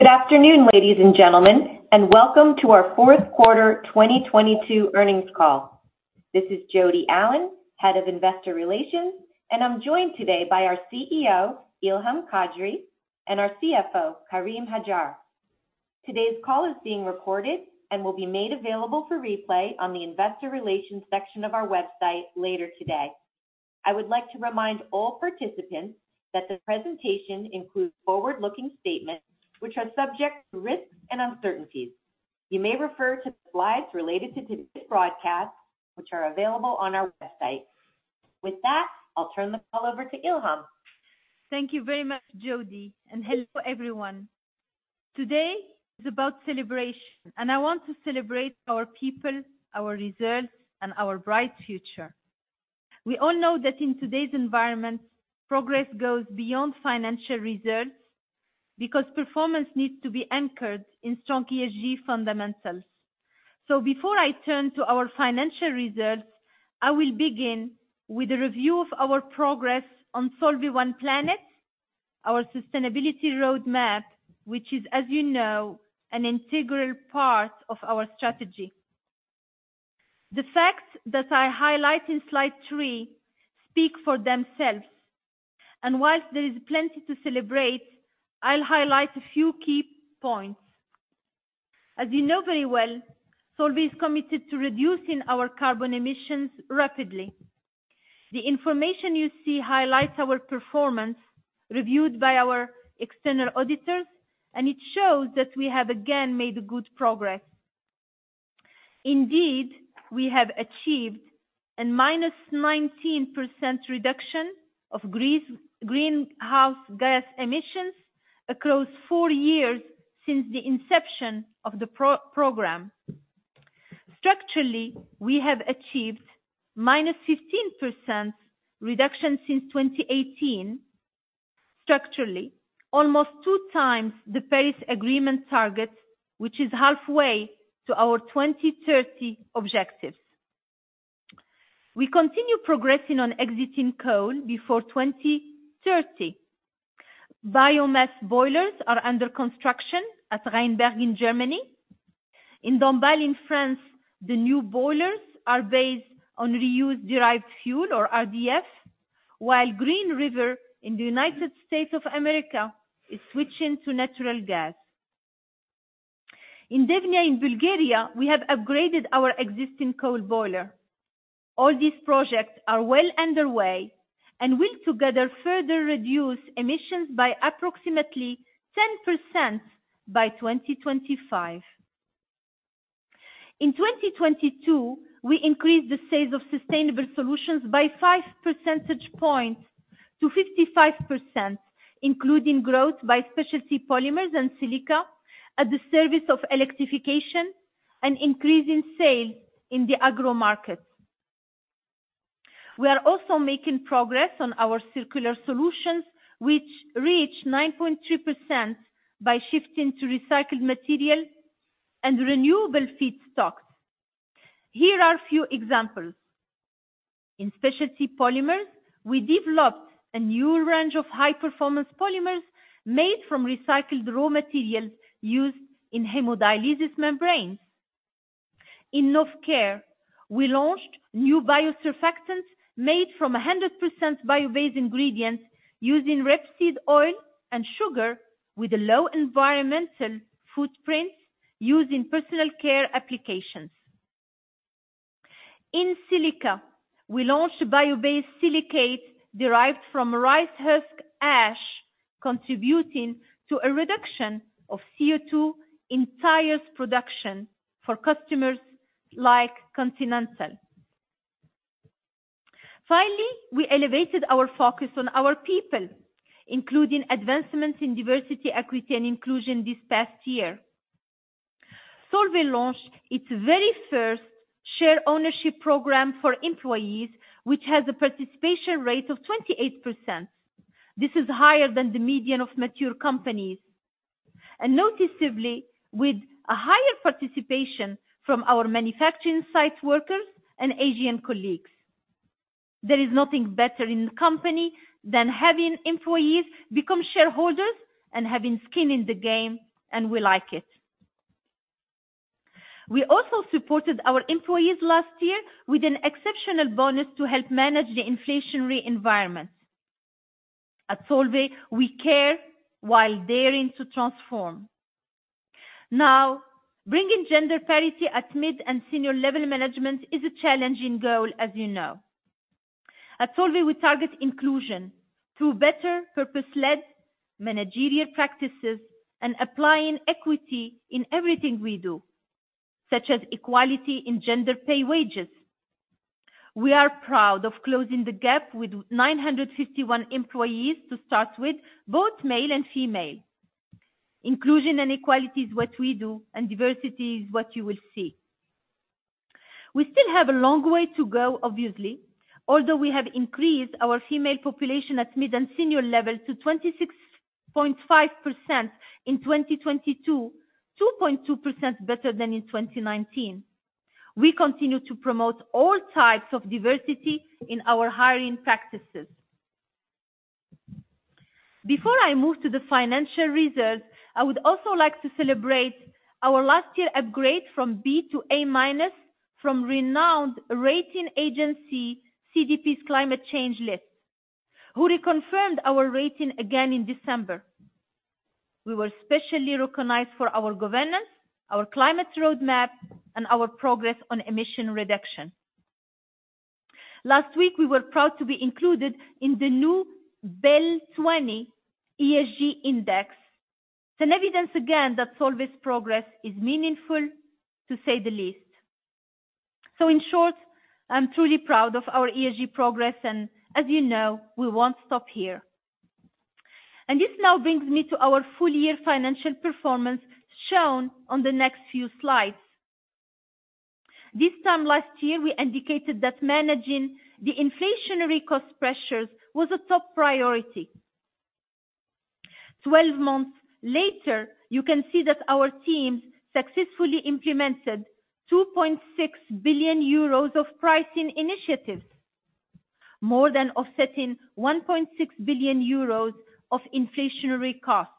Good afternoon, ladies and gentlemen, and welcome to our fourth quarter 2022 earnings call. This is Jodi Allen, Head of Investor Relations, and I'm joined today by our CEO, Ilham Kadri, and our CFO, Karim Hajjar. Today's call is being recorded and will be made available for replay on the Investor Relations section of our website later today. I would like to remind all participants that the presentation includes forward-looking statements, which are subject to risks and uncertainties. You may refer to the slides related to today's broadcast, which are available on our website. With that, I'll turn the call over to Ilham. Thank you very much, Jodi, and hello, everyone. Today is about celebration, and I want to celebrate our people, our results, and our bright future. We all know that in today's environment, progress goes beyond financial results because performance needs to be anchored in strong ESG fundamentals. Before I turn to our financial results, I will begin with a review of our progress on Solvay One Planet, our sustainability roadmap, which is, as you know, an integral part of our strategy. The facts that I highlight in slide three speak for themselves, and whilst there is plenty to celebrate, I'll highlight a few key points. As you know very well, Solvay is committed to reducing our carbon emissions rapidly. The information you see highlights our performance reviewed by our external auditors, and it shows that we have again made good progress. Indeed, we have achieved a -19% reduction of greenhouse gas emissions across four years since the inception of the program. Structurally, we have achieved -15% reduction since 2018, structurally, almost two times the Paris Agreement target, which is halfway to our 2030 objectives. We continue progressing on exiting coal before 2030. Biomass boilers are under construction at Rheinberg in Germany. In Dombasle in France, the new boilers are based on reused derived fuel or RDF, while Green River in the United States of America is switching to natural gas. In Devnya in Bulgaria, we have upgraded our existing coal boiler. All these projects are well underway and will together further reduce emissions by approximately 10% by 2025. In 2022, we increased the sales of sustainable solutions by five percentage points to 55%, including growth by Specialty Polymers and Silica at the service of electrification and increase in sale in the agro market. We are also making progress on our circular solutions, which reached 9.2% by shifting to recycled material and renewable feedstocks. Here are a few examples. In Specialty Polymers, we developed a new range of high-performance polymers made from recycled raw materials used in hemodialysis membranes. In Novecare, we launched new biosurfactants made from 100% bio-based ingredients using rapeseed oil and sugar with a low environmental footprint used in personal care applications. In Silica, we launched bio-based silicate derived from rice husk ash, contributing to a reduction of CO2 in tires production for customers like Continental. Finally, we elevated our focus on our people, including advancements in diversity, equity, and inclusion this past year. Solvay launched its very first share ownership program for employees, which has a participation rate of 28%. Noticeably with a higher participation from our manufacturing site workers and Asian colleagues. There is nothing better in the company than having employees become shareholders and having skin in the game, and we like it. We also supported our employees last year with an exceptional bonus to help manage the inflationary environment. At Solvay, we care while daring to transform. Bringing gender parity at mid and senior level management is a challenging goal, as you know. At Solvay, we target inclusion through better purpose-led managerial practices and applying equity in everything we do, such as equality in gender pay wages. We are proud of closing the gap with 951 employees to start with, both male and female. Inclusion and equality is what we do, and diversity is what you will see. We still have a long way to go, obviously, although we have increased our female population at mid and senior level to 26.5% in 2022, 2.2% better than in 2019. We continue to promote all types of diversity in our hiring practices. Before I move to the financial results, I would also like to celebrate our last year upgrade from B to A minus from renowned rating agency CDP's Climate Change list, who reconfirmed our rating again in December. We were specially recognized for our governance, our climate roadmap, and our progress on emission reduction. Last week, we were proud to be included in the new BEL twenty ESG Index. It's an evidence again that Solvay's progress is meaningful, to say the least. In short, I'm truly proud of our ESG progress, as you know, we won't stop here. This now brings me to our full year financial performance shown on the next few slides. This time last year, we indicated that managing the inflationary cost pressures was a top priority. 12 months later, you can see that our teams successfully implemented 2.6 billion euros of pricing initiatives, more than offsetting 1.6 billion euros of inflationary costs.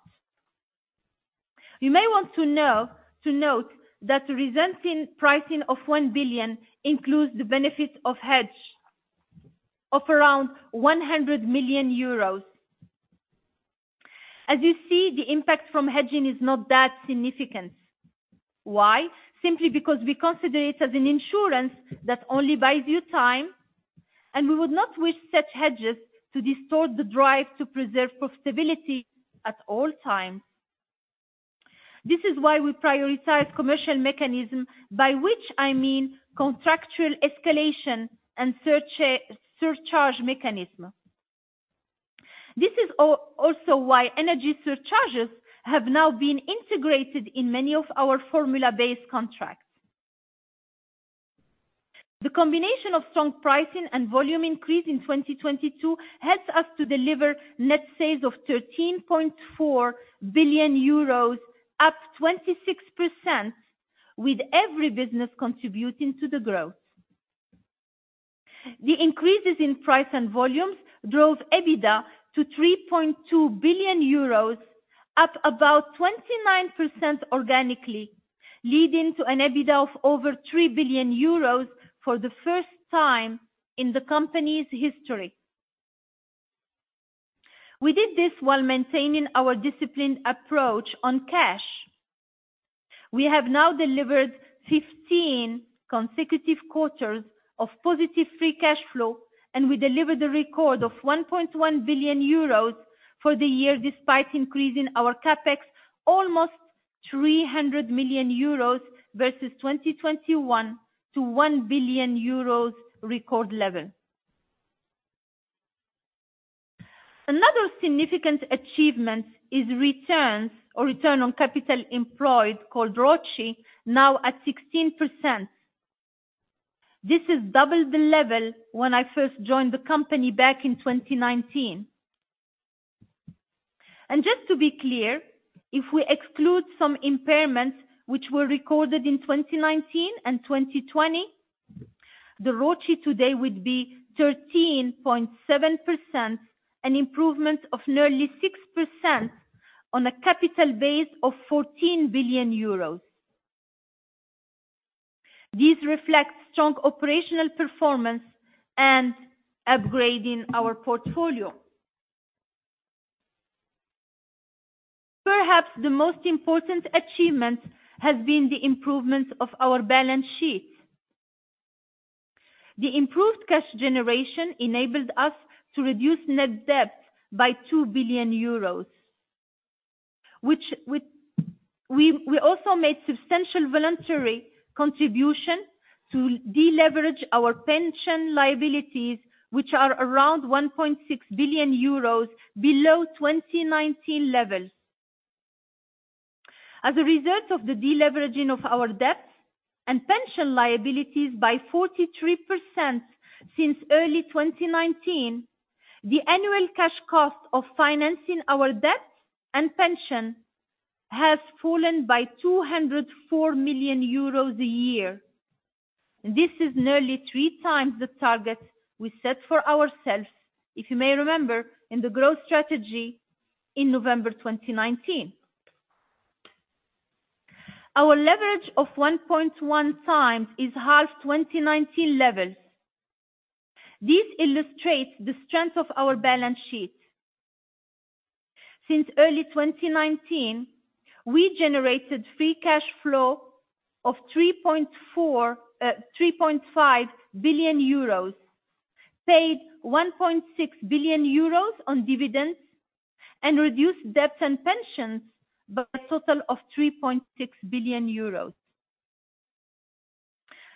You may want to note that the resulting pricing of 1 billion includes the benefits of hedge of around 100 million euros. As you see, the impact from hedging is not that significant. Why? Simply because we consider it as an insurance that only buys you time. We would not wish such hedges to distort the drive to preserve profitability at all times. This is why we prioritize commercial mechanism, by which I mean contractual escalation and surcharge mechanism. This is also why energy surcharges have now been integrated in many of our formula-based contracts. The combination of strong pricing and volume increase in 2022 helps us to deliver net sales of 13.4 billion euros, up 26% with every business contributing to the growth. The increases in price and volumes drove EBITDA to 3.2 billion euros, up about 29% organically, leading to an EBITDA of over 3 billion euros for the first time in the company's history. We did this while maintaining our disciplined approach on cash. We have now delivered 15 consecutive quarters of positive free cash flow, and we delivered a record of 1.1 billion euros for the year, despite increasing our CapEx almost 300 million euros versus 2021 to 1 billion euros record level. Another significant achievement is returns or return on capital employed, called ROCE, now at 16%. This is double the level when I first joined the company back in 2019. Just to be clear, if we exclude some impairments which were recorded in 2019 and 2020, the ROCE today would be 13.7%, an improvement of nearly 6% on a capital base of 14 billion euros. This reflects strong operational performance and upgrading our portfolio. Perhaps the most important achievement has been the improvement of our balance sheet. The improved cash generation enabled us to reduce net debt by 2 billion euros, which we also made substantial voluntary contribution to deleverage our pension liabilities, which are around 1.6 billion euros below 2019 levels. As a result of the deleveraging of our debt and pension liabilities by 43% since early 2019, the annual cash cost of financing our debt and pension has fallen by 204 million euros a year. This is nearly 3x the target we set for ourselves, if you may remember, in the growth strategy in November 2019. Our leverage of 1.1x is half 2019 levels. This illustrates the strength of our balance sheet. Since early 2019, we generated free cash flow of 3.5 billion euros, paid 1.6 billion euros on dividends and reduced debt and pensions by a total of 3.6 billion euros.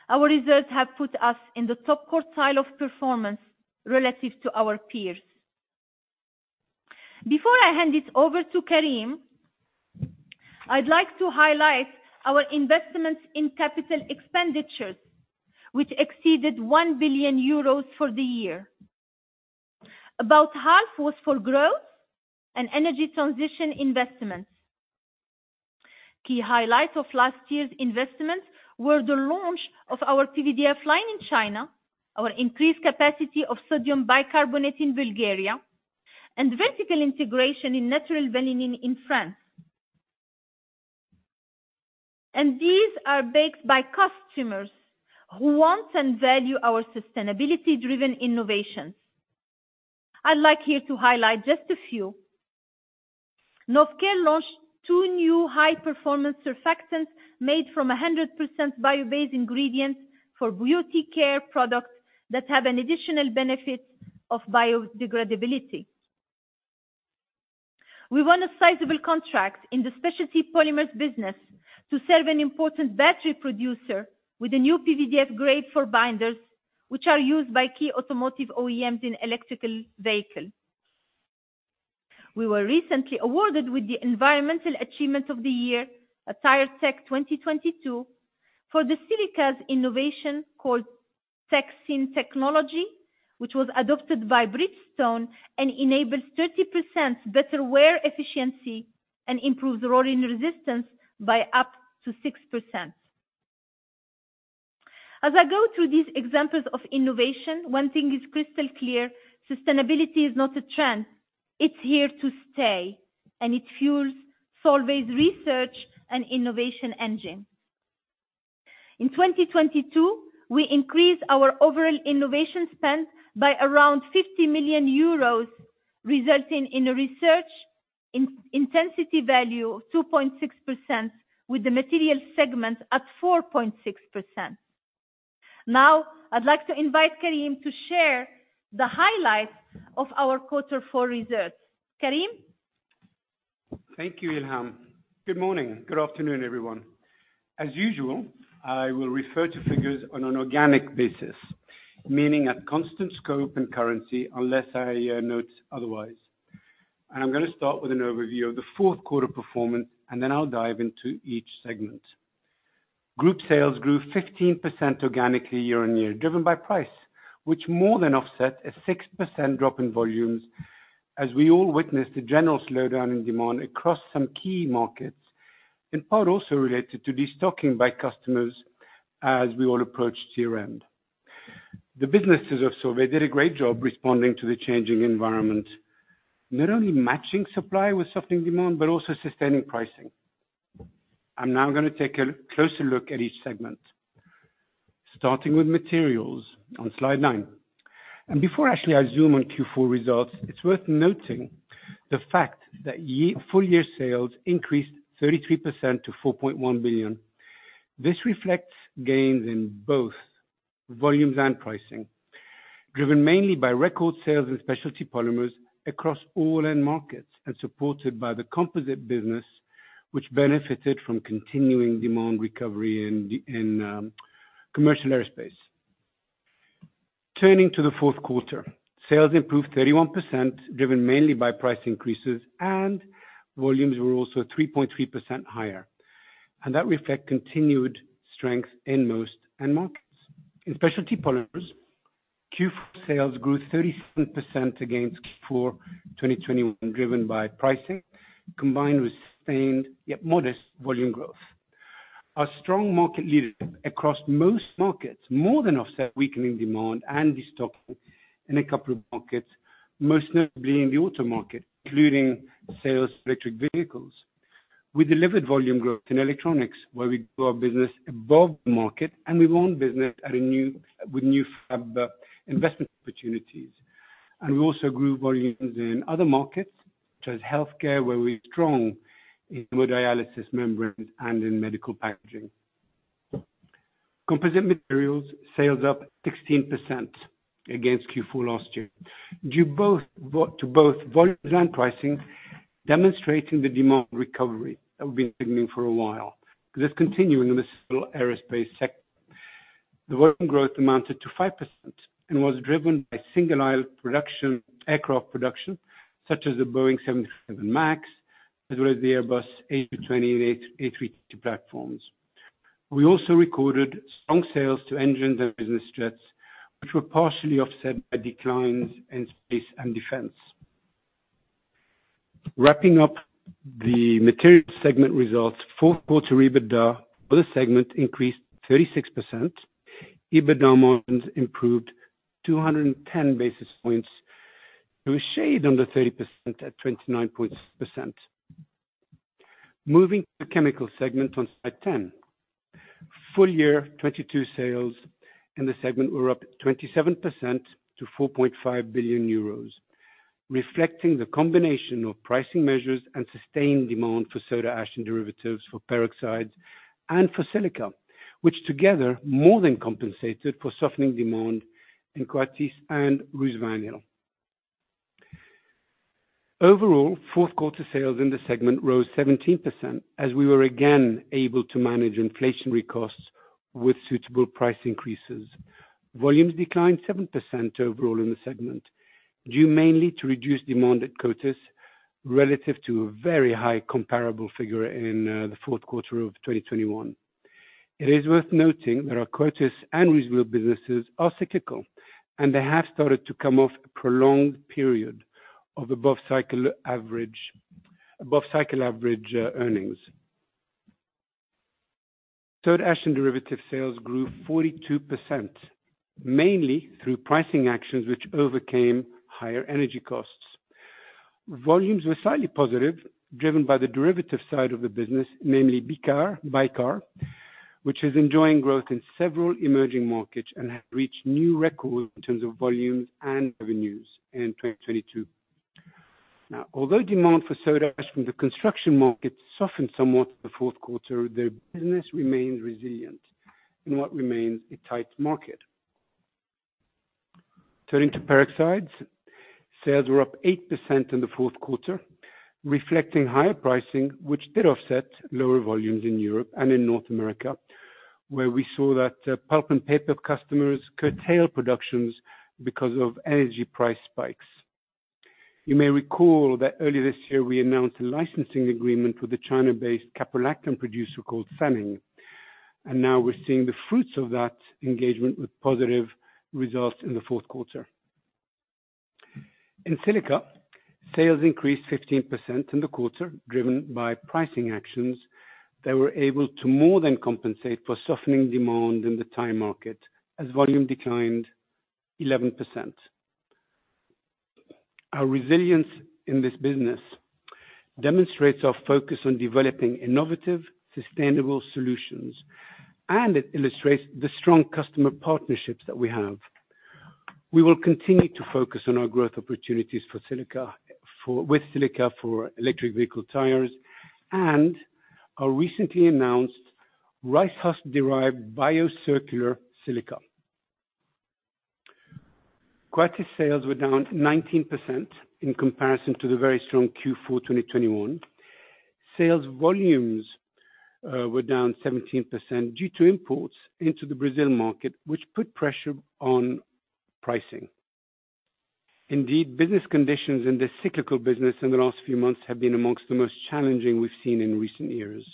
Our results have put us in the top quartile of performance relative to our peers. Before I hand it over to Karim, I'd like to highlight our investments in capital expenditures, which exceeded 1 billion euros for the year. About half was for growth and energy transition investments. Key highlights of last year's investments were the launch of our PVDF line in China, our increased capacity of sodium bicarbonate in Bulgaria, and vertical integration in natural vanillin in France. These are backed by customers who want and value our sustainability driven innovations. I'd like here to highlight just a few. Novecare launched two new high performance surfactants made from 100% bio-based ingredients for beauty care products that have an additional benefit of biodegradability. We won a sizable contract in the Specialty Polymers business to serve an important battery producer with a new PVDF grade for binders, which are used by key automotive OEMs in electrical vehicle. We were recently awarded with the environmental achievement of the year at Tire Tech 2022 for the Silica innovation called TECHSYN Technology, which was adopted by Bridgestone and enables 30% better wear efficiency and improves rolling resistance by up to 6%. As I go through these examples of innovation, one thing is crystal clear, sustainability is not a trend, it's here to stay, and it fuels Solvay's research and innovation engine. In 2022, we increased our overall innovation spend by around 50 million euros, resulting in a research in-intensity value of 2.6% with the material segment at 4.6%. I'd like to invite Karim to share the highlights of our quarter four results. Karim. Thank you, Ilham. Good morning. Good afternoon, everyone. As usual, I will refer to figures on an organic basis, meaning at constant scope and currency, unless I note otherwise. I'm gonna start with an overview of the fourth quarter performance, and then I'll dive into each segment. Group sales grew 15% organically year-on-year, driven by price, which more than offset a 6% drop in volumes as we all witnessed a general slowdown in demand across some key markets, in part also related to destocking by customers as we all approach year-end. The businesses of Solvay did a great job responding to the changing environment, not only matching supply with softening demand, but also sustaining pricing. I'm now gonna take a closer look at each segment, starting with materials on slide nine. Before actually I zoom on Q4 results, it's worth noting the fact that full year sales increased 33% to 4.1 billion. This reflects gains in both volumes and pricing, driven mainly by record sales in Specialty Polymers across all end markets and supported by the Composites business, which benefited from continuing demand recovery in commercial aerospace. Turning to the fourth quarter. Sales improved 31%, driven mainly by price increases and volumes were also 3.3% higher. That reflect continued strength in most end markets. In Specialty Polymers, Q4 sales grew 37% against Q4 2021, driven by pricing, combined with sustained, yet modest volume growth. Our strong market leadership across most markets more than offset weakening demand and destocking in a couple of markets, most notably in the auto market, including sales electric vehicles. We delivered volume growth in electronics, where we grew our business above market, and we won business with new fab investment opportunities. We also grew volumes in other markets, such as healthcare, where we're strong in hemodialysis membranes and in medical packaging. Composite materials sales up 16% against Q4 last year, to both volumes and pricing, demonstrating the demand recovery that we've been signaling for a while. This continuing in the civil aerospace sector. The volume growth amounted to 5% and was driven by aircraft production, such as the Boeing 737 MAX, as well as the Airbus A220 and A32 platforms. We also recorded strong sales to engines and business jets, which were partially offset by declines in space and defense. Wrapping up the material segment results, fourth quarter EBITDA for the segment increased 36%. EBITDA margins improved 210 basis points to a shade under 30% at 29.6%. Moving to chemical segment on slide 10. Full year 2022 sales in the segment were up 27% to 4.5 billion euros, reflecting the combination of pricing measures and sustained demand for Soda ash and derivatives for peroxides and for Silica, which together more than compensated for softening demand in Coatis and RusVinyl. Overall, fourth quarter sales in the segment rose 17% as we were again able to manage inflationary costs with suitable price increases. Volumes declined 7% overall in the segment, due mainly to reduced demand at Coatis relative to a very high comparable figure in the fourth quarter of 2021. It is worth noting that our Coatis and RusVinyl businesses are cyclical, and they have started to come off a prolonged period of above cycle average earnings. Third, ash and derivative sales grew 42%, mainly through pricing actions which overcame higher energy costs. Volumes were slightly positive, driven by the derivative side of the business, namely Bicar, which is enjoying growth in several emerging markets and has reached new records in terms of volumes and revenues in 2022. Although demand for Soda ash from the construction market softened somewhat in the fourth quarter, the business remains resilient in what remains a tight market. Turning to peroxides, sales were up 8% in the fourth quarter, reflecting higher pricing, which did offset lower volumes in Europe and in North America, where we saw that pulp and paper customers curtail productions because of energy price spikes. You may recall that early this year we announced a licensing agreement with a China-based caprolactam producer called Sanning. Now we're seeing the fruits of that engagement with positive results in the fourth quarter. In Silica, sales increased 15% in the quarter, driven by pricing actions that were able to more than compensate for softening demand in the tire market as volume declined 11%. Our resilience in this business demonstrates our focus on developing innovative, sustainable solutions. It illustrates the strong customer partnerships that we have. We will continue to focus on our growth opportunities for silica, with silica for electric vehicle tires and our recently announced rice husk-derived bio-circular silica. Composites sales were down 19% in comparison to the very strong Q4 2021. Sales volumes were down 17% due to imports into the Brazil market, which put pressure on pricing. Business conditions in this cyclical business in the last few months have been amongst the most challenging we've seen in recent years.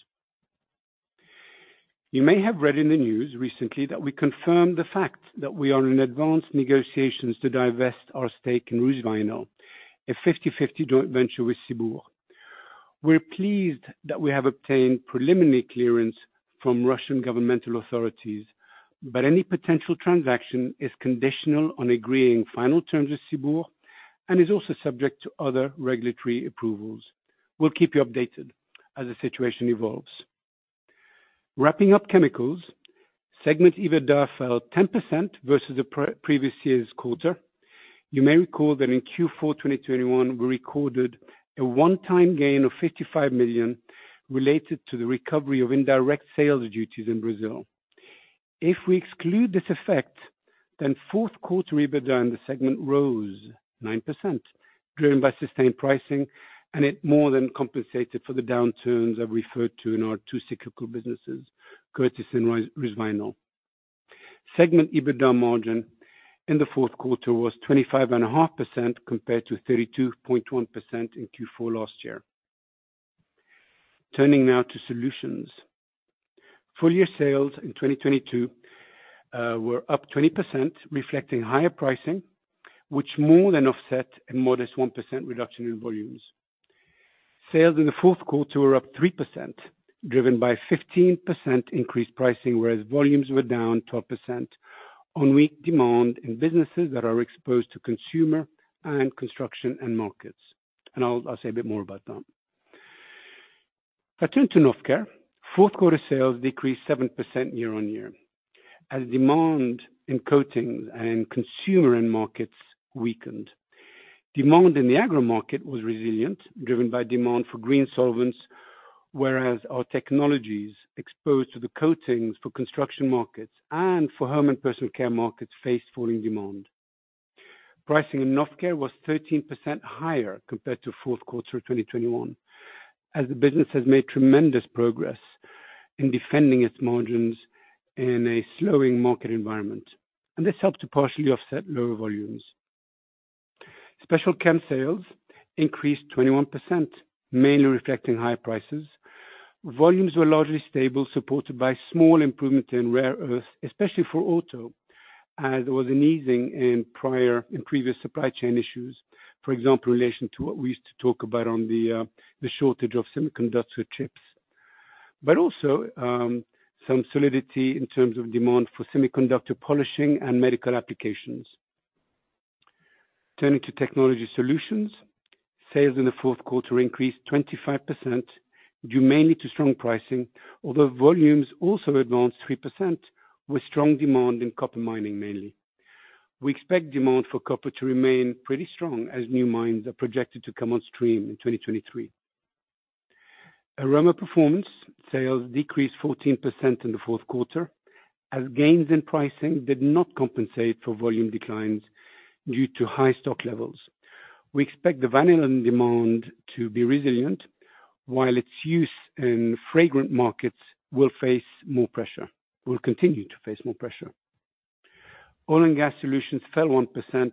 You may have read in the news recently that we confirmed the fact that we are in advanced negotiations to divest our stake in RusVinyl, a 50/50 joint venture with Sibur. We're pleased that we have obtained preliminary clearance from Russian governmental authorities, any potential transaction is conditional on agreeing final terms with Sibur and is also subject to other regulatory approvals. We'll keep you updated as the situation evolves. Wrapping up chemicals, segment EBITDA fell 10% versus the pre-previous year's quarter. You may recall that in Q4 2021, we recorded a one-time gain of 55 million related to the recovery of indirect sales duties in Brazil. If we exclude this effect, then fourth-quarter EBITDA in the segment rose 9%, driven by sustained pricing, and it more than compensated for the downturns I referred to in our two cyclical businesses, Coatis and RusVinyl. Segment EBITDA margin in the fourth quarter was 25.5% compared to 32.1% in Q4 last year. Turning now to solutions. Full-year sales in 2022 were up 20%, reflecting higher pricing, which more than offset a modest 1% reduction in volumes. Sales in the fourth quarter were up 3%, driven by 15% increased pricing, whereas volumes were down 12% on weak demand in businesses that are exposed to consumer and construction end markets. I'll say a bit more about that. If I turn to Novecare, fourth-quarter sales decreased 7% year on year as demand in coatings and consumer end markets weakened. Demand in the agro market was resilient, driven by demand for green solvents, whereas our technologies exposed to the coatings for construction markets and for home and personal care markets faced falling demand. Pricing in Novecare was 13% higher compared to fourth quarter 2021, as the business has made tremendous progress in defending its margins in a slowing market environment. This helped to partially offset lower volumes. Special Chem sales increased 21%, mainly reflecting higher prices. Volumes were largely stable, supported by small improvement in rare earth, especially for auto, as there was an easing in previous supply chain issues. For example, in relation to what we used to talk about on the shortage of semiconductor chips. Also, some solidity in terms of demand for semiconductor polishing and medical applications. Turning to technology solutions, sales in the fourth quarter increased 25% due mainly to strong pricing, although volumes also advanced 3% with strong demand in copper mining mainly. We expect demand for copper to remain pretty strong as new mines are projected to come on stream in 2023. Aroma Performance sales decreased 14% in the fourth quarter as gains in pricing did not compensate for volume declines due to high stock levels. We expect the vanillin demand to be resilient while its use in fragrant markets will continue to face more pressure. Oil and gas solutions fell 1%,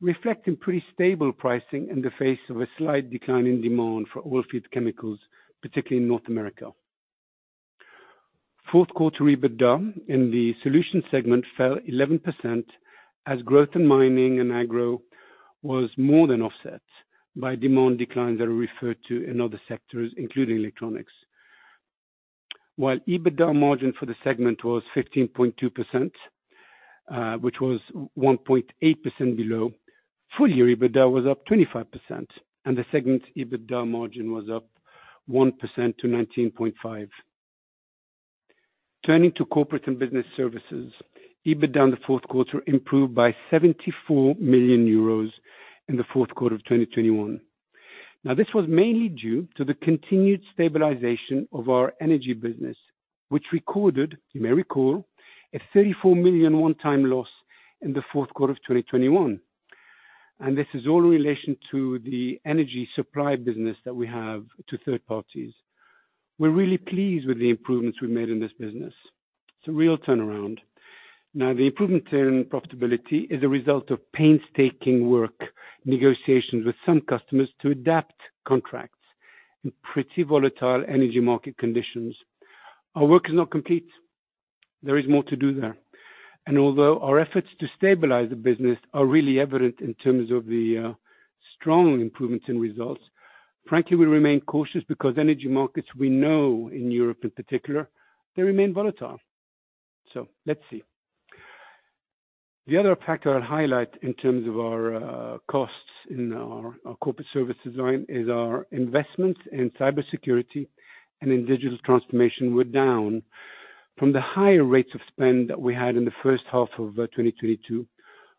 reflecting pretty stable pricing in the face of a slight decline in demand for oil field chemicals, particularly in North America. Fourth quarter EBITDA in the solutions segment fell 11% as growth in mining and agro was more than offset by demand declines that are referred to in other sectors, including electronics. While EBITDA margin for the segment was 15.2%, which was 1.8% below, full-year EBITDA was up 25%, and the segment EBITDA margin was up 1% to 19.5%. Turning to corporate and business services, EBITDA in the fourth quarter improved by 74 million euros in the fourth quarter of 2021. This was mainly due to the continued stabilization of our energy business, which recorded, you may recall, a 34 million one-time loss in the fourth quarter of 2021. This is all in relation to the energy supply business that we have to third parties. We're really pleased with the improvements we've made in this business. It's a real turnaround. The improvement in profitability is a result of painstaking work, negotiations with some customers to adapt contracts in pretty volatile energy market conditions. Our work is not complete. There is more to do there. Although our efforts to stabilize the business are really evident in terms of the strong improvements in results, frankly, we remain cautious because energy markets we know in Europe in particular, they remain volatile. Let's see. The other factor I'll highlight in terms of our costs in our corporate services line is our investments in cybersecurity and in digital transformation were down from the higher rates of spend that we had in the first half of 2022.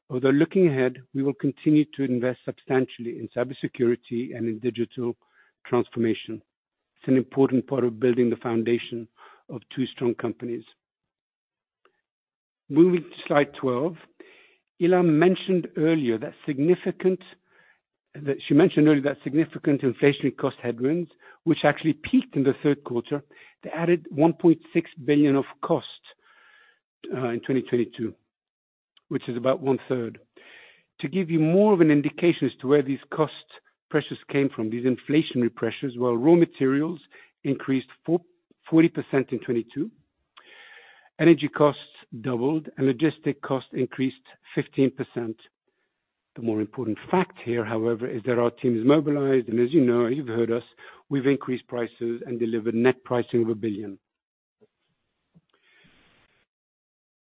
Although looking ahead, we will continue to invest substantially in cybersecurity and in digital transformation. It's an important part of building the foundation of two strong companies. Moving to slide 12. That she mentioned earlier that significant inflationary cost headwinds, which actually peaked in the third quarter, they added 1.6 billion of cost in 2022, which is about one-third. To give you more of an indication as to where these cost pressures came from, these inflationary pressures, while raw materials increased 40% in 2022, energy costs doubled and logistic costs increased 15%. The more important fact here, however, is that our team is mobilized. As you know, you've heard us, we've increased prices and delivered net pricing of 1 billion.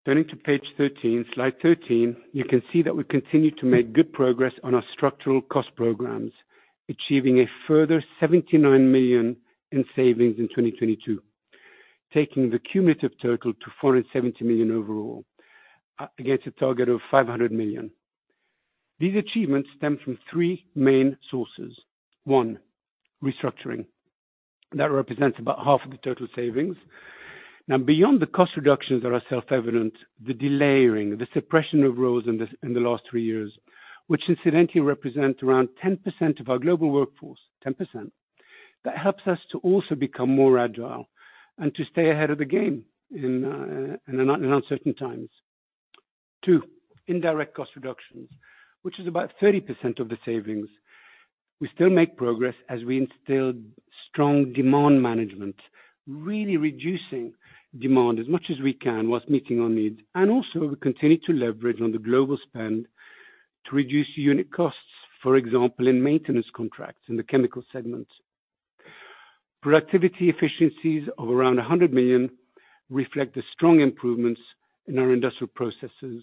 Turning to page 13, slide 13, you can see that we continue to make good progress on our structural cost programs, achieving a further 79 million in savings in 2022, taking the cumulative total to 470 million overall, against a target of 500 million. These achievements stem from three main sources. One, restructuring. That represents about half of the total savings. Beyond the cost reductions that are self-evident, the delayering, the suppression of roles in the, in the last three years, which incidentally represent around 10% of our global workforce, 10%. That helps us to also become more agile and to stay ahead of the game in uncertain times. Two, indirect cost reductions, which is about 30% of the savings. We still make progress as we instill strong demand management, really reducing demand as much as we can whilst meeting our needs. Also, we continue to leverage on the global spend to reduce unit costs, for example, in maintenance contracts in the chemical segment. Productivity efficiencies of around 100 million reflect the strong improvements in our industrial processes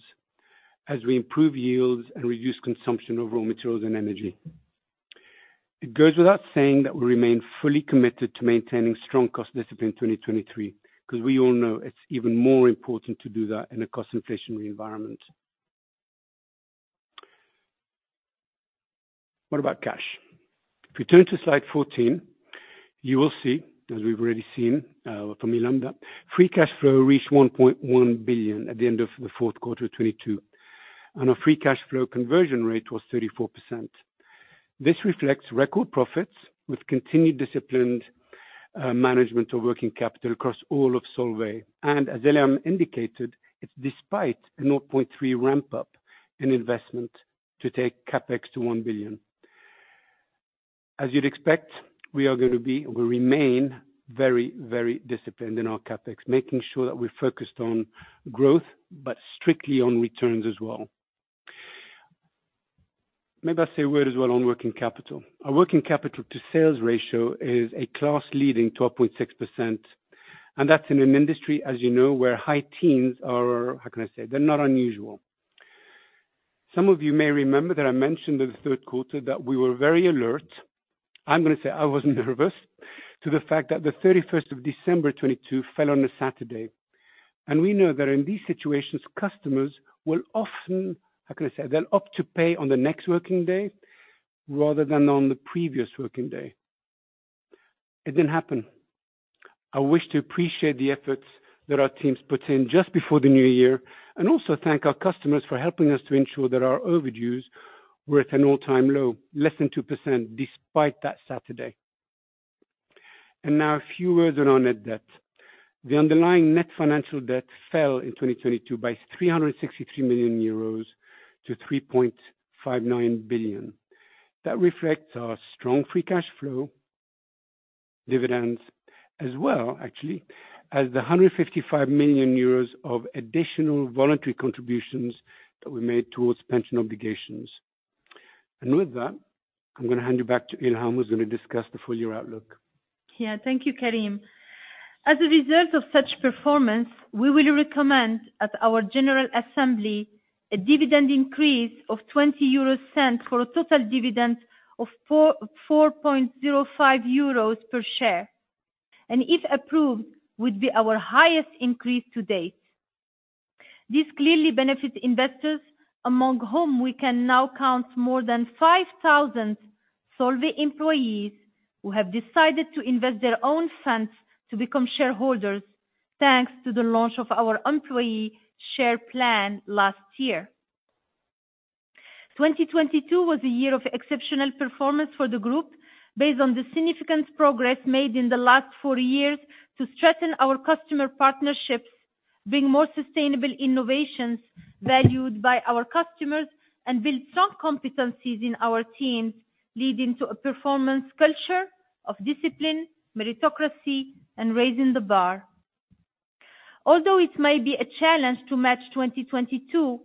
as we improve yields and reduce consumption of raw materials and energy. It goes without saying that we remain fully committed to maintaining strong cost discipline in 2023, because we all know it's even more important to do that in a cost inflationary environment. What about cash? If you turn to slide 14, you will see, as we've already seen, from Ilham, free cash flow reached 1.1 billion at the end of Q4 2022, and our free cash flow conversion rate was 34%. This reflects record profits with continued disciplined management of working capital across all of Solvay. As Ilham indicated, it's despite a 0.3 ramp-up in investment to take CapEx to 1 billion. As you'd expect, we remain very disciplined in our CapEx, making sure that we're focused on growth, but strictly on returns as well. Maybe I say a word as well on working capital. Our working capital to sales ratio is a class-leading 12.6%, and that's in an industry, as you know, where high teens are, how can I say? They're not unusual. Some of you may remember that I mentioned in the third quarter that we were very alert. I'm gonna say I was nervous to the fact that the 31st of December 2022 fell on a Saturday. We know that in these situations, customers will often, how can I say? They'll opt to pay on the next working day rather than on the previous working day. It didn't happen. I wish to appreciate the efforts that our teams put in just before the New Year, and also thank our customers for helping us to ensure that our overdues were at an all-time low, less than 2% despite that Saturday. Now a few words around net debt. The underlying net financial debt fell in 2022 by 363 million euros to 3.59 billion. That reflects our strong free cash flow, dividends as well actually, as the 155 million euros of additional voluntary contributions that were made towards pension obligations. With that, I'm gonna hand you back to Ilham, who's gonna discuss the full year outlook. Thank you, Karim. As a result of such performance, we will recommend at our general assembly a dividend increase of 0.20 for a total dividend of 4.05 euros per share, and if approved, would be our highest increase to date. This clearly benefits investors among whom we can now count more than 5,000 Solvay employees who have decided to invest their own funds to become shareholders, thanks to the launch of our employee share plan last year. 2022 was a year of exceptional performance for the group based on the significant progress made in the last four years to strengthen our customer partnerships, bring more sustainable innovations valued by our customers, and build strong competencies in our teams, leading to a performance culture of discipline, meritocracy, and raising the bar. Although it may be a challenge to March 2022,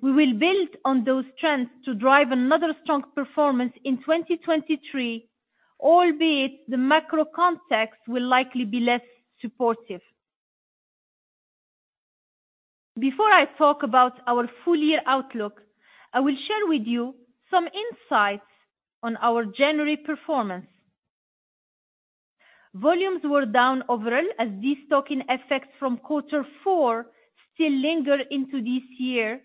we will build on those trends to drive another strong performance in 2023, albeit the macro context will likely be less supportive. Before I talk about our full year outlook, I will share with you some insights on our January performance. Volumes were down overall as destocking effects from Q4 still linger into this year,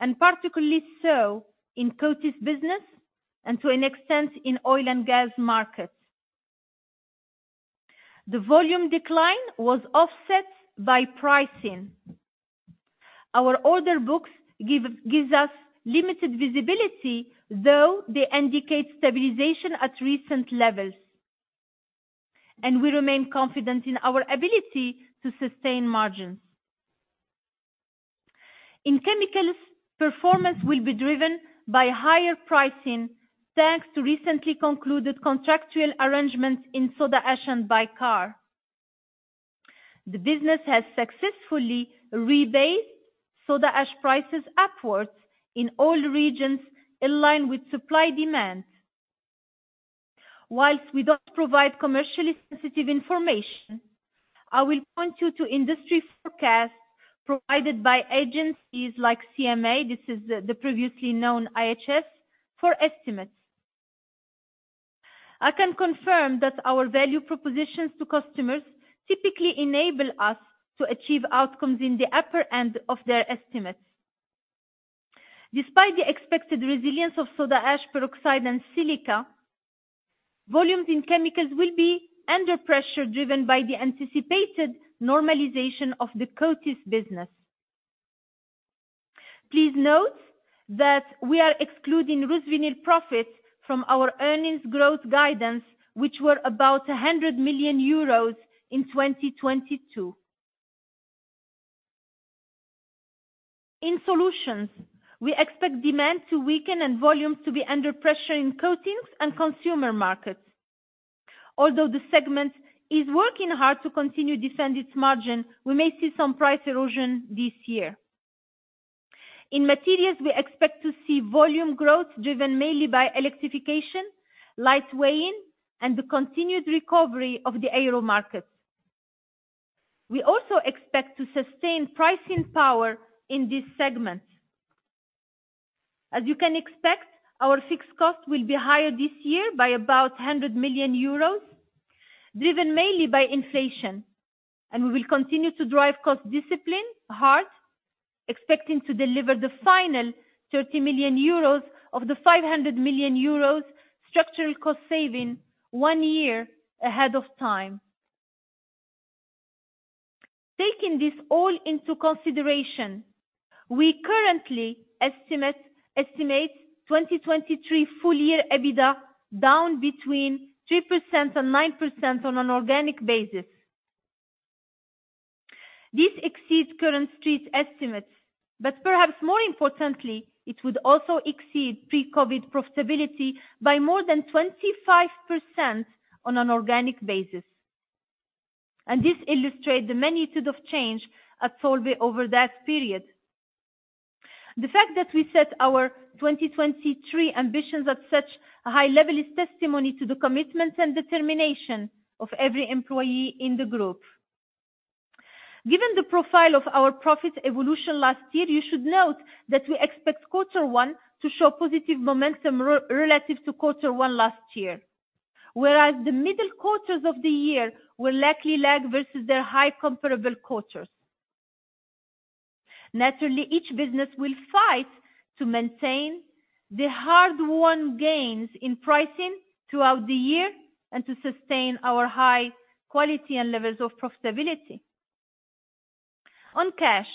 and particularly so in Coatings business and to an extent in oil and gas markets. The volume decline was offset by pricing. Our order books gives us limited visibility, though they indicate stabilization at recent levels, and we remain confident in our ability to sustain margins. In Chemicals, performance will be driven by higher pricing thanks to recently concluded contractual arrangements in Soda ash and bicarb. The business has successfully rebased Soda ash prices upwards in all regions in line with supply-demand. Whilst we don't provide commercially sensitive information, I will point you to industry forecasts provided by agencies like CMA, this is the previously known IHS for estimates. I can confirm that our value propositions to customers typically enable us to achieve outcomes in the upper end of their estimates. Despite the expected resilience of Soda ash, peroxide, and Silica, volumes in Chemicals will be under pressure, driven by the anticipated normalization of the Coatings business. Please note that we are excluding RusVinyl profits from our earnings growth guidance, which were about 100 million euros in 2022. In Solutions, we expect demand to weaken and volumes to be under pressure in Coatings and consumer markets. Although the segment is working hard to continue defend its margin, we may see some price erosion this year. In Materials, we expect to see volume growth driven mainly by electrification, light weighting, and the continued recovery of the aero market. We also expect to sustain pricing power in this segment. As you can expect, our fixed cost will be higher this year by about 100 million euros, driven mainly by inflation. We will continue to drive cost discipline hard, expecting to deliver the final 30 million euros of the 500 million euros structural cost saving one year ahead of time. Taking this all into consideration, we currently estimate 2023 full year EBITDA down between 3% and 9% on an organic basis. This exceeds current street estimates, but perhaps more importantly, it would also exceed pre-COVID profitability by more than 25% on an organic basis. This illustrate the magnitude of change at Solvay over that period. The fact that we set our 2023 ambitions at such a high level is testimony to the commitment and determination of every employee in the group. Given the profile of our profit evolution last year, you should note that we expect quarter one to show positive momentum relative to quarter one last year, whereas the middle quarters of the year will likely lag versus their high comparable quarters. Naturally, each business will fight to maintain the hard-won gains in pricing throughout the year and to sustain our high quality and levels of profitability. On cash.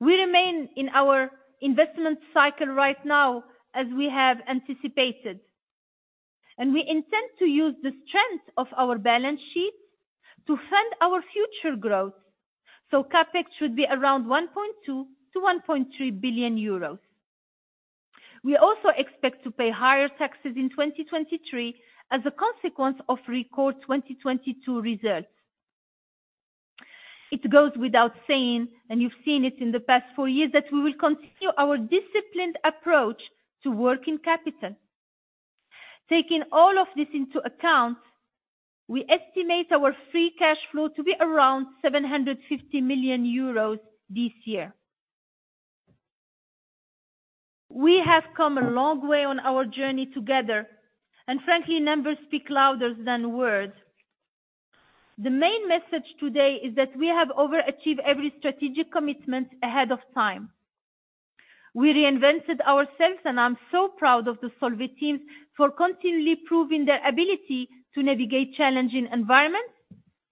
We remain in our investment cycle right now as we have anticipated, and we intend to use the strength of our balance sheets to fund our future growth. CapEx should be around 1.2 billion-1.3 billion euros. We also expect to pay higher taxes in 2023 as a consequence of record 2022 results. It goes without saying, and you've seen it in the past years, that we will continue our disciplined approach to working capital. Taking all of this into account, we estimate our free cash flow to be around 750 million euros this year. We have come a long way on our journey together and frankly, numbers speak louder than words. The main message today is that we have over achieved every strategic commitment ahead of time. We reinvented ourselves, and I'm so proud of the Solvay teams for continually proving their ability to navigate challenging environments,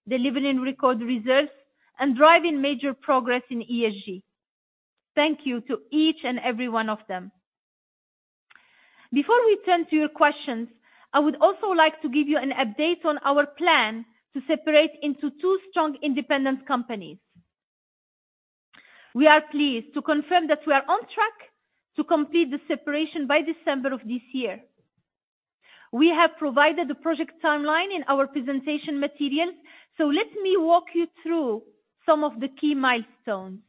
delivering record results and driving major progress in ESG. Thank you to each and every one of them. Before we turn to your questions, I would also like to give you an update on our plan to separate into two strong independent companies. We are pleased to confirm that we are on track to complete the separation by December of this year. We have provided the project timeline in our presentation materials, let me walk you through some of the key milestones.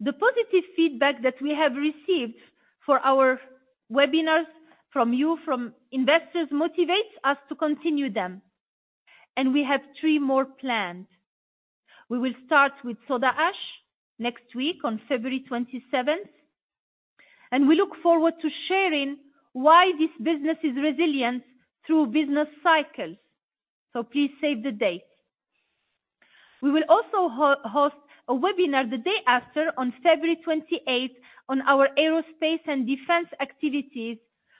The positive feedback that we have received for our webinars from you, from investors, motivates us to continue them, and we have three more planned. We will start with Soda ash next week on February 27th, and we look forward to sharing why this business is resilient through business cycles. Please save the date. We will also host a webinar the day after on February 28th on our aerospace and defense activities,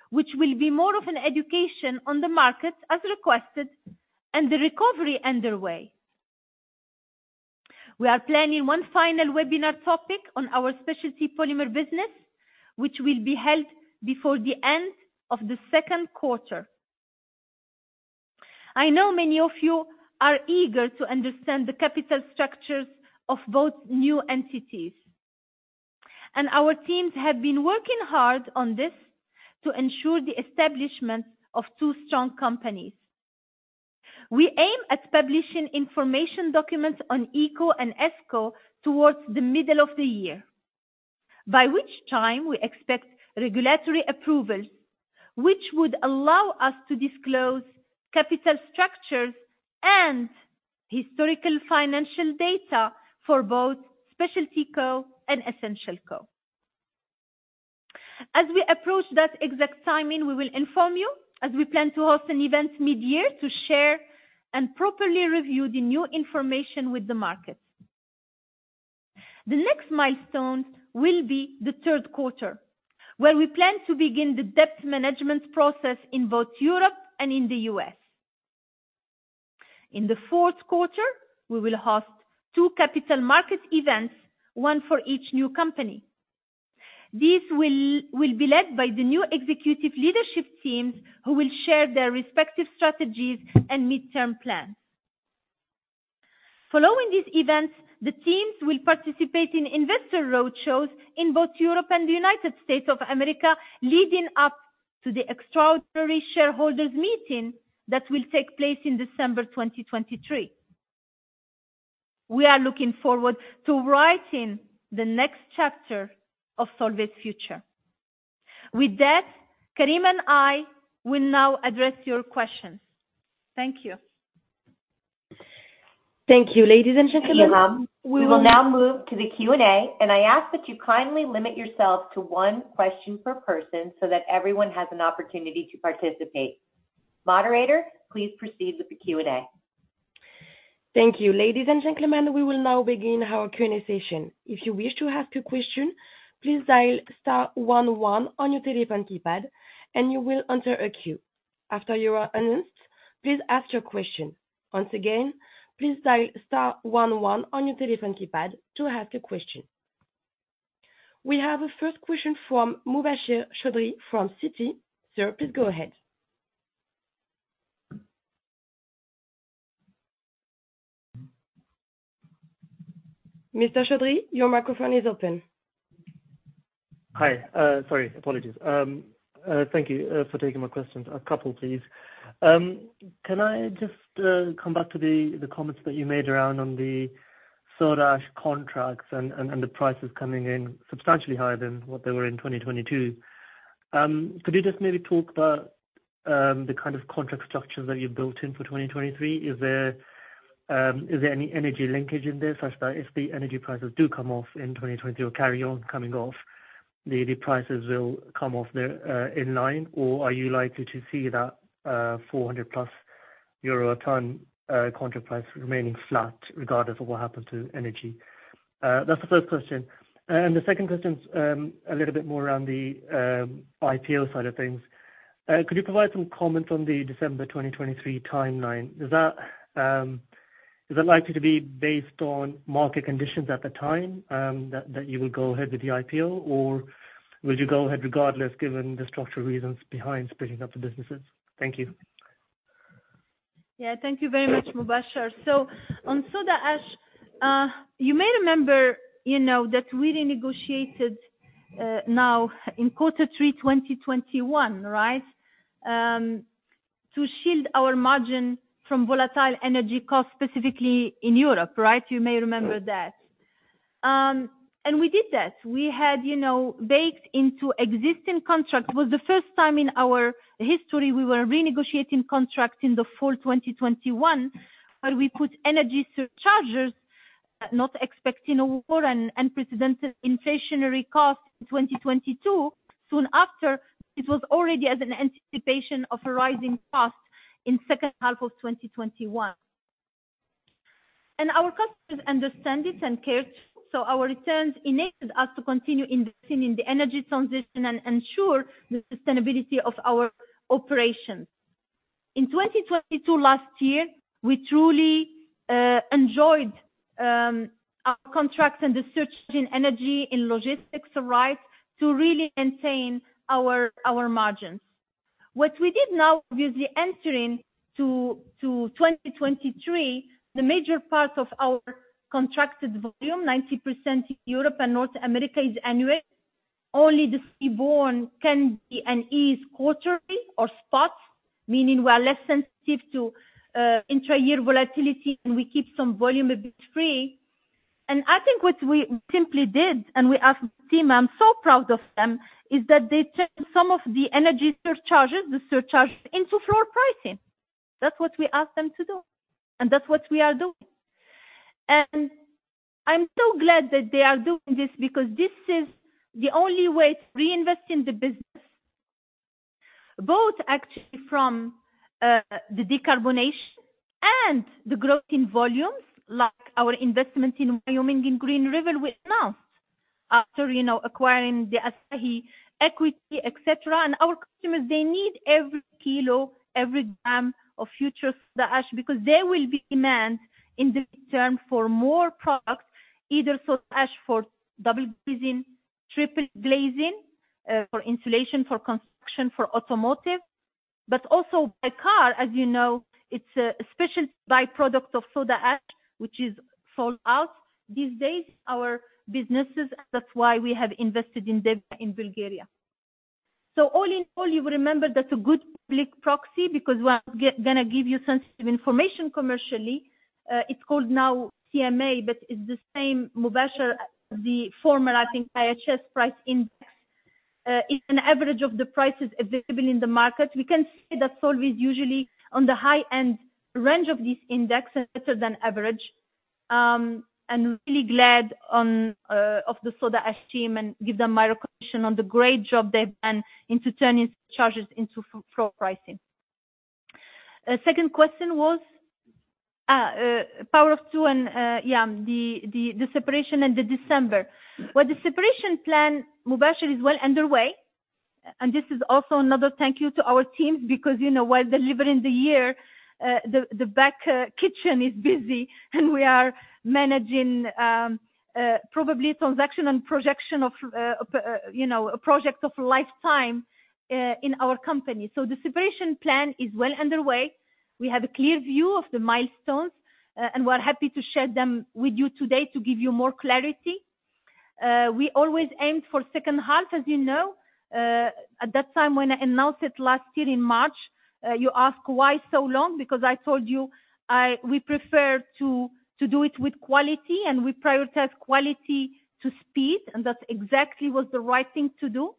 which will be more of an education on the market as requested and the recovery underway. We are planning one final webinar topic on our Specialty Polymers business, which will be held before the end of the second quarter. I know many of you are eager to understand the capital structures of both new entities, and our teams have been working hard on this to ensure the establishment of two strong companies. We aim at publishing information documents on ECO and ESCO towards the middle of the year, by which time we expect regulatory approvals, which would allow us to disclose capital structures and historical financial data for both SpecialtyCo and EssentialCo. As we approach that exact timing, we will inform you as we plan to host an event mid-year to share and properly review the new information with the market. The next milestone will be the third quarter, where we plan to begin the debt management process in both Europe and in the U.S. In the fourth quarter, we will host two capital market events, one for each new company. These will be led by the new executive leadership teams who will share their respective strategies and midterm plans. Following these events, the teams will participate in investor roadshows in both Europe and the United States of America, leading up to the extraordinary shareholders meeting that will take place in December 2023. We are looking forward to writing the next chapter of Solvay's future. With that, Karim and I will now address your questions. Thank you. Thank you. Ladies and gentlemen. We will now move to the Q&A, and I ask that you kindly limit yourself to one question per person so that everyone has an opportunity to participate. Moderator, please proceed with the Q&A. Thank you. Ladies and gentlemen, we will now begin our Q&A session. If you wish to ask a question, please dial star one one on your telephone keypad and you will enter a queue. After you are announced, please ask your question. Once again, please dial star one one on your telephone keypad to ask a question. We have a first question from Mubasher Chaudhry from Citi. Sir, please go ahead. Mr. Chaudhry, your microphone is open. Hi. Sorry. Apologies. Thank you for taking my questions. A couple, please. Can I just come back to the comments that you made around on the Soda ash contracts and the prices coming in substantially higher than what they were in 2022. Could you just maybe talk about the kind of contract structures that you've built in for 2023? Is there any energy linkage in there, such that if the energy prices do come off in 2023 or carry on coming off, the prices will come off in line? Or are you likely to see that 400+ euro ton contract price remaining flat regardless of what happens to energy? That's the first question. The second question is a little bit more around the IPO side of things. Could you provide some comments on the December 2023 timeline? Is that likely to be based on market conditions at the time that you will go ahead with the IPO? Or will you go ahead regardless, given the structural reasons behind splitting up the businesses? Thank you. Yeah, thank you very much, Mubasher. On Soda ash, you may remember, you know, that we renegotiated now in quarter three, 2021, right, to shield our margin from volatile energy costs, specifically in Europe, right? You may remember that. We did that. We had, you know, baked into existing contracts. It was the first time in our history we were renegotiating contracts in the fall 2021, where we put energy surcharges, not expecting a war and unprecedented inflationary costs in 2022. Soon after, it was already as an anticipation of rising costs in second half of 2021. Our customers understand this and care. Our returns enabled us to continue investing in the energy transition and ensure the sustainability of our operations. In 2022 last year, we truly enjoyed our contracts and the search in energy, in logistics, right, to really maintain our margins. What we did now with the entering to 2023, the major part of our contracted volume, 90% in Europe and North America, is annual. Only the seaborne can be an ease quarterly or spot, meaning we are less sensitive to intra-year volatility, we keep some volume a bit free. I think what we simply did, and we asked team, I'm so proud of them, is that they turned some of the energy surcharges, the surcharges into floor pricing. That's what we asked them to do, and that's what we are doing. I'm so glad that they are doing this because this is the only way to reinvest in the business, both actually from the decarbonation and the growth in volumes, like our investment in Wyoming and Green River we announced after, you know, acquiring the Asahi equity, et cetera. Our customers, they need every kilo, every gram of future Soda ash because there will be demand in the return for more products, either Soda ash for double glazing, triple glazing, for insulation, for construction, for automotive. Also Bicar®, as you know, it's a special byproduct of Soda ash, which is sold out these days, our businesses. That's why we have invested in Devnya in Bulgaria. All in all, you remember that's a good public proxy because we're gonna give you sensitive information commercially. It's called now CMA, but it's the same, Mubasher, the former, I think, IHS price index, is an average of the prices available in the market. We can say that Solvay's usually on the high end range of these indexes better than average. I'm really glad on of the Soda ash team and give them my recognition on the great job they've done into turning surcharges into floor pricing. Second question was? Power of two and yeah, the separation and the December. The separation plan, Mubasher, is well underway. This is also another thank you to our teams because, you know, while delivering the year, the back kitchen is busy and we are managing probably transaction and projection of, you know, a project of lifetime in our company. The separation plan is well underway. We have a clear view of the milestones, and we're happy to share them with you today to give you more clarity. We always aimed for second half, as you know. At that time when I announced it last year in March, you ask, "Why so long?" I told you we prefer to do it with quality, and we prioritize quality to speed. That exactly was the right thing to do.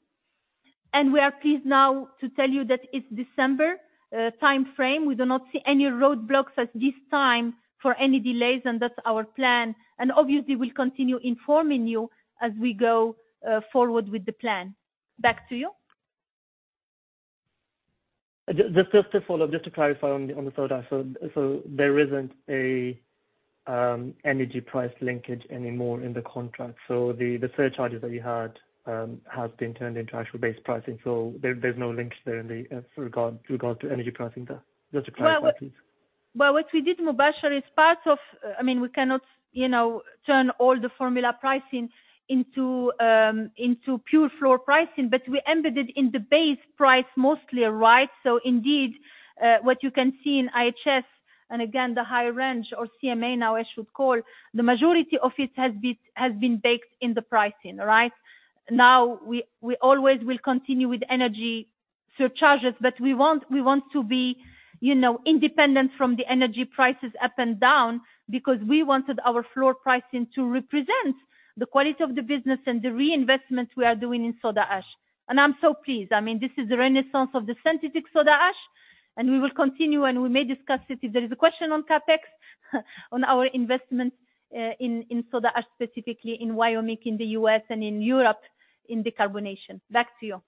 We are pleased now to tell you that it's December timeframe. We do not see any roadblocks at this time for any delays, and that's our plan. Obviously, we'll continue informing you as we go forward with the plan. Back to you. Just to follow up, just to clarify on the soda. There isn't a energy price linkage anymore in the contract. The surcharges that you had have been turned into actual base pricing. There's no linkage there in the regard to energy pricing there. Just to clarify, please. Well, what we did, Mubasher, is part of. I mean, we cannot, you know, turn all the formula pricing into pure floor pricing, but we embedded in the base price mostly, right. Indeed, what you can see in IHS, and again, the high range or CMA now I should call, the majority of it has been baked in the pricing, right. Now, we always will continue with energy surcharges, but we want to be, you know, independent from the energy prices up and down because we wanted our floor pricing to represent the quality of the business and the reinvestment we are doing in Soda ash. I'm so pleased. I mean, this is the renaissance of the synthetic Soda ash, and we will continue, and we may discuss it if there is a question on CapEx, on our investments, in Soda ash, specifically in Wyoming, in the U.S., and in Europe in decarbonation. Back to you.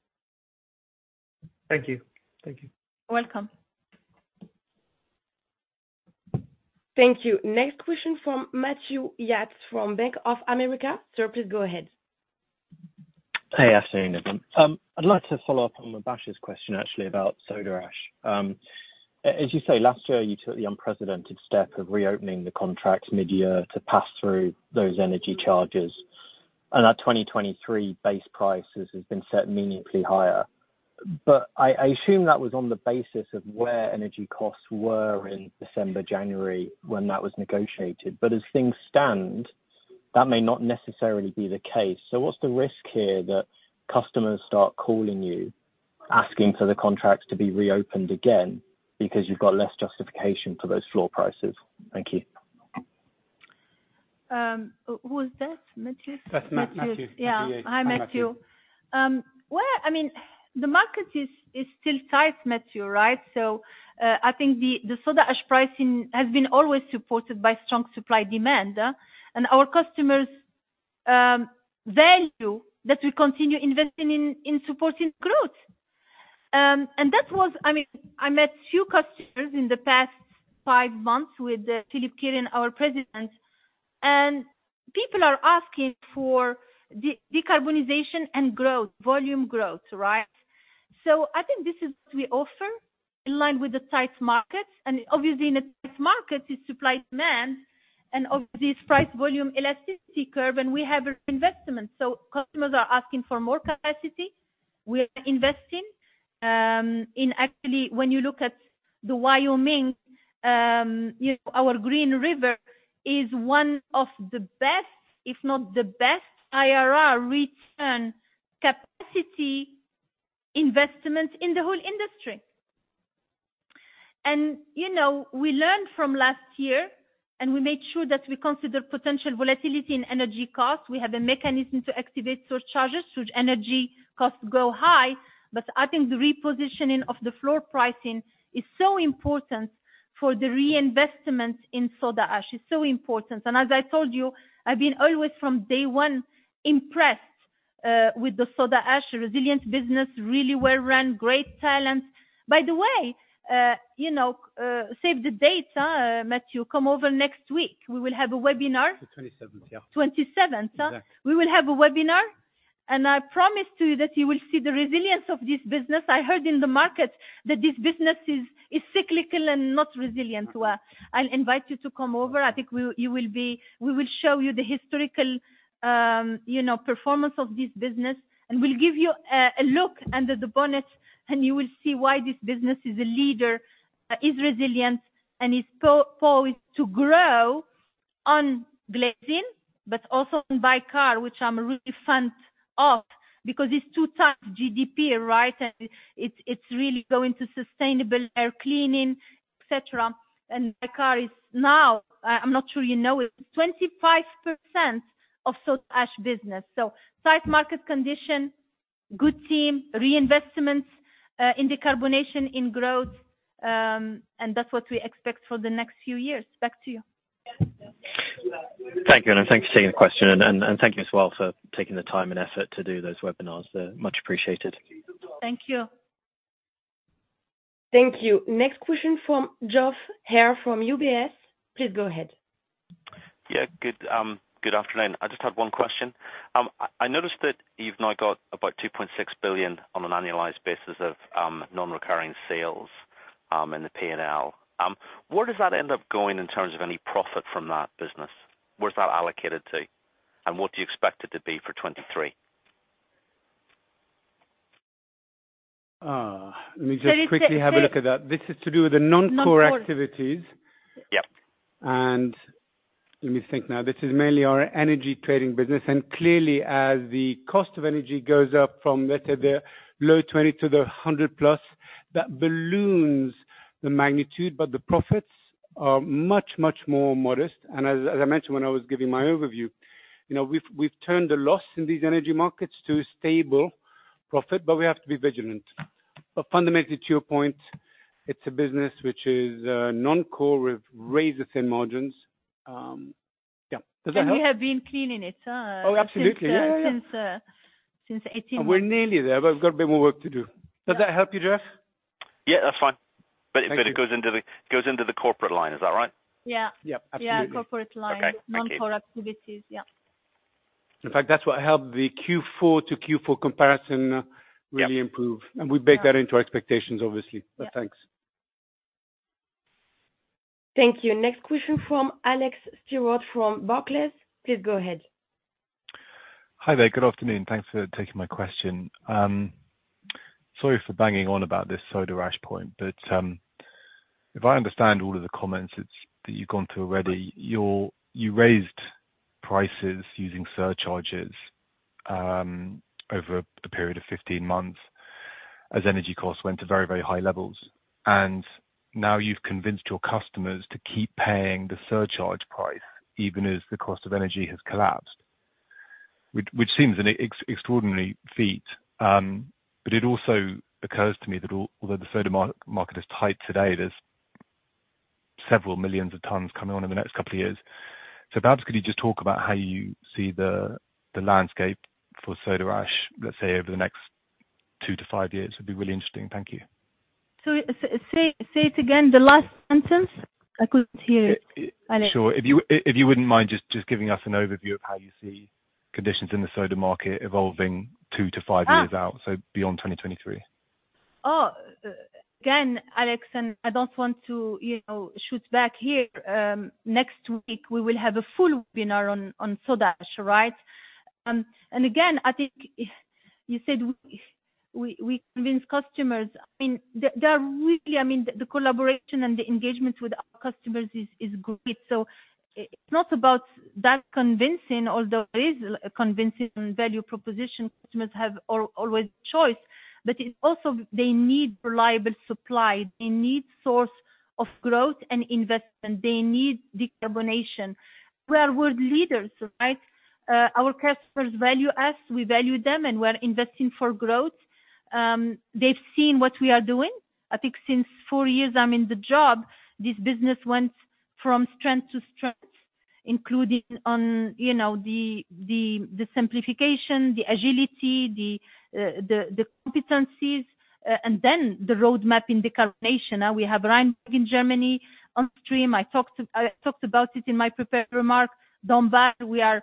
Thank you. Thank you. You're welcome. Thank you. Next question from Matthew Yates from Bank of America. Sir, please go ahead. Hey, afternoon everyone. I'd like to follow up on Mubasher's question actually about Soda ash. As you say, last year you took the unprecedented step of reopening the contracts mid-year to pass through those energy charges. That 2023 base prices has been set meaningfully higher. I assume that was on the basis of where energy costs were in December, January when that was negotiated. As things stand, that may not necessarily be the case. What's the risk here that customers start calling you, asking for the contracts to be reopened again because you've got less justification for those floor prices? Thank you. Who was that? Matthew? That's Matthew. Hi, Matthew. Well, I mean, the market is still tight, Matthew, right? I think the Soda ash pricing has been always supported by strong supply demand. Our customers value that we continue investing in supporting growth. I mean, I met few customers in the past five months with Philippe Kehren, our President, and people are asking for decarbonization and growth, volume growth, right? I think this is what we offer in line with the tight markets and obviously in a tight market is supply demand, and obviously it's price volume elasticity curve, and we have investment. Customers are asking for more capacity. We're investing, actually, when you look at the Wyoming, you know, our Green River is one of the best, if not the best IRR return capacity investment in the whole industry. You know, we learned from last year, and we made sure that we consider potential volatility in energy costs. We have a mechanism to activate surcharges should energy costs go high. I think the repositioning of the floor pricing is so important for the reinvestment in Soda ash. It's so important. As I told you, I've been always from day 1 impressed with the Soda ash resilient business, really well run, great talent. By the way, you know, save the dates, Matthew, come over next week. We will have a webinar. The 27th, yeah. 27th, huh? Exactly. We will have a webinar. I promise to you that you will see the resilience of this business. I heard in the market that this business is cyclical and not resilient. I'll invite you to come over. I think we will show you the historical, you know, performance of this business, and we'll give you a look under the bonnet and you will see why this business is a leader, is resilient and is poised to grow on glazing, but also on bicarb, which I'm a really fan of because it's two times GDP, right? It's really going to sustainable air cleaning, et cetera. Bicarb is now, I'm not sure you know it, 25% of Soda ash business. Tight market condition, good team, reinvestments, in decarbonation, in growth, and that's what we expect for the next few years. Back to you. Thank you. I thank you for taking the question. Thank you as well for taking the time and effort to do those webinars. They're much appreciated. Thank you. Thank you. Next question from Geoff Haire from UBS. Please go ahead. Yeah, good. Good afternoon. I just had one question. I noticed that you've now got about 2.6 billion on an annualized basis of non-recurring sales in the P&L. Where does that end up going in terms of any profit from that business? Where's that allocated to? What do you expect it to be for 2023? let me just quickly have a look at that. This is to do with the non-core activities. Yep. Let me think now. This is mainly our energy trading business. Clearly, as the cost of energy goes up from, let's say, the low 20 to the 100+, that balloons the magnitude, but the profits are much, much more modest. As I mentioned when I was giving my overview, you know, we've turned a loss in these energy markets to a stable profit, but we have to be vigilant. Fundamentally, to your point, it's a business which is non-core with razor-thin margins. Yeah. Does that help? We have been cleaning it. Oh, absolutely. Since 18. We're nearly there, but we've got a bit more work to do. Does that help you, Geoff? Yeah, that's fine. Thank you. It goes into the corporate line, is that right? Yeah. Yep, absolutely. Yeah. Corporate line. Okay. Thank you. Non-core activities. Yeah. In fact, that's what helped the Q4 to Q4 comparison really improve. Yeah. We baked that into our expectations, obviously. Yeah. Thanks. Thank you. Next question from Alex Stewart from Barclays. Please go ahead. Hi there. Good afternoon. Thanks for taking my question. Sorry for banging on about this Soda ash point, if I understand all of the comments that you've gone through already, you raised prices using surcharges over a period of 15 months as energy costs went to very, very high levels. Now you've convinced your customers to keep paying the surcharge price, even as the cost of energy has collapsed. Which seems an extraordinary feat, it also occurs to me that although the soda market is tight today, there's several million tons coming on in the next couple of years. Perhaps could you just talk about how you see the landscape for Soda ash, let's say, over the next Two to five years would be really interesting. Thank you. Say it again, the last sentence. I couldn't hear it, Alex. Sure. If you wouldn't mind just giving us an overview of how you see conditions in the soda market evolving 2-5 years out, so beyond 2023. Again, Alex, I don't want to, you know, shoot back here. Next week, we will have a full webinar on Soda ash, right? Again, I think you said we convince customers. I mean, they are really. I mean, the collaboration and the engagement with our customers is great. It's not about that convincing, although there is convincing value proposition. Customers have always choice, but it's also they need reliable supply, they need source of growth and investment. They need decarbonation. We are world leaders, right? Our customers value us, we value them, we're investing for growth. They've seen what we are doing. I think since four years I'm in the job, this business went from strength to strength, including on, you know, the, the simplification, the agility, the competencies, and then the roadmap in decarbonation. Now we have Rheinberg in Germany, onstream. I talked about it in my prepared remarks. Dombasle, we are,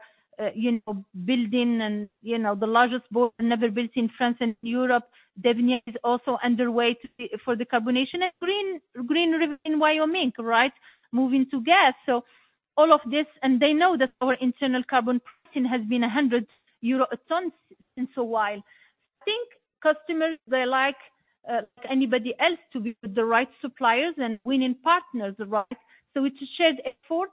you know, building and, you know, the largest boom ever built in France and Europe. Devnya is also underway to be for decarbonation. Green River in Wyoming, right? Moving to gas. All of this, and they know that our internal carbon pricing has been 100 euro a ton since a while. I think customers, they like anybody else to be with the right suppliers and winning partners, right? It's a shared effort.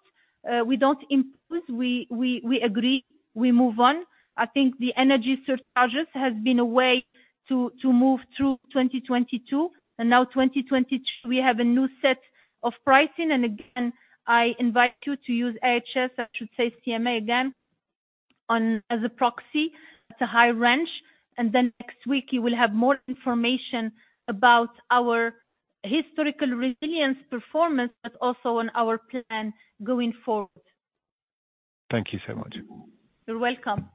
We don't impose. We agree, we move on. I think the energy surcharges has been a way to move through 2022. Now 2022, we have a new set of pricing. Again, I invite you to use AHS, I should say CMA again, on as a proxy. It's a high wrench. Next week you will have more information about our historical resilience performance, but also on our plan going forward. Thank you so much. You're welcome.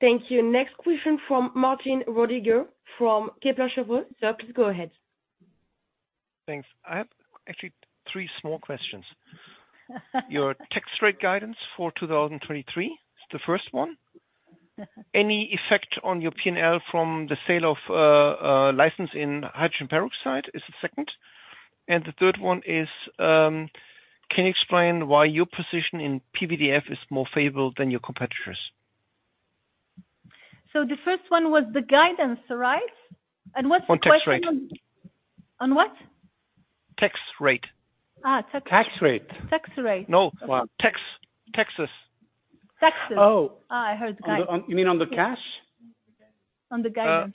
Thank you. Next question from Martin Roediger from Kepler Cheuvreux. Sir, please go ahead. Thanks. I have actually three small questions. Your tax rate guidance for 2023 is the first one. Any effect on your P&L from the sale of license in hydrogen peroxide is the second. The third one is, can you explain why your position in PVDF is more favorable than your competitors? The first one was the guidance, right? What's the question on- On tax rate. On what? Tax rate. Tax rate. Tax rate. Tax rate. No. Tax. Texas. Texas. Oh. I heard the guide. On, you mean on the cash? On the guidance.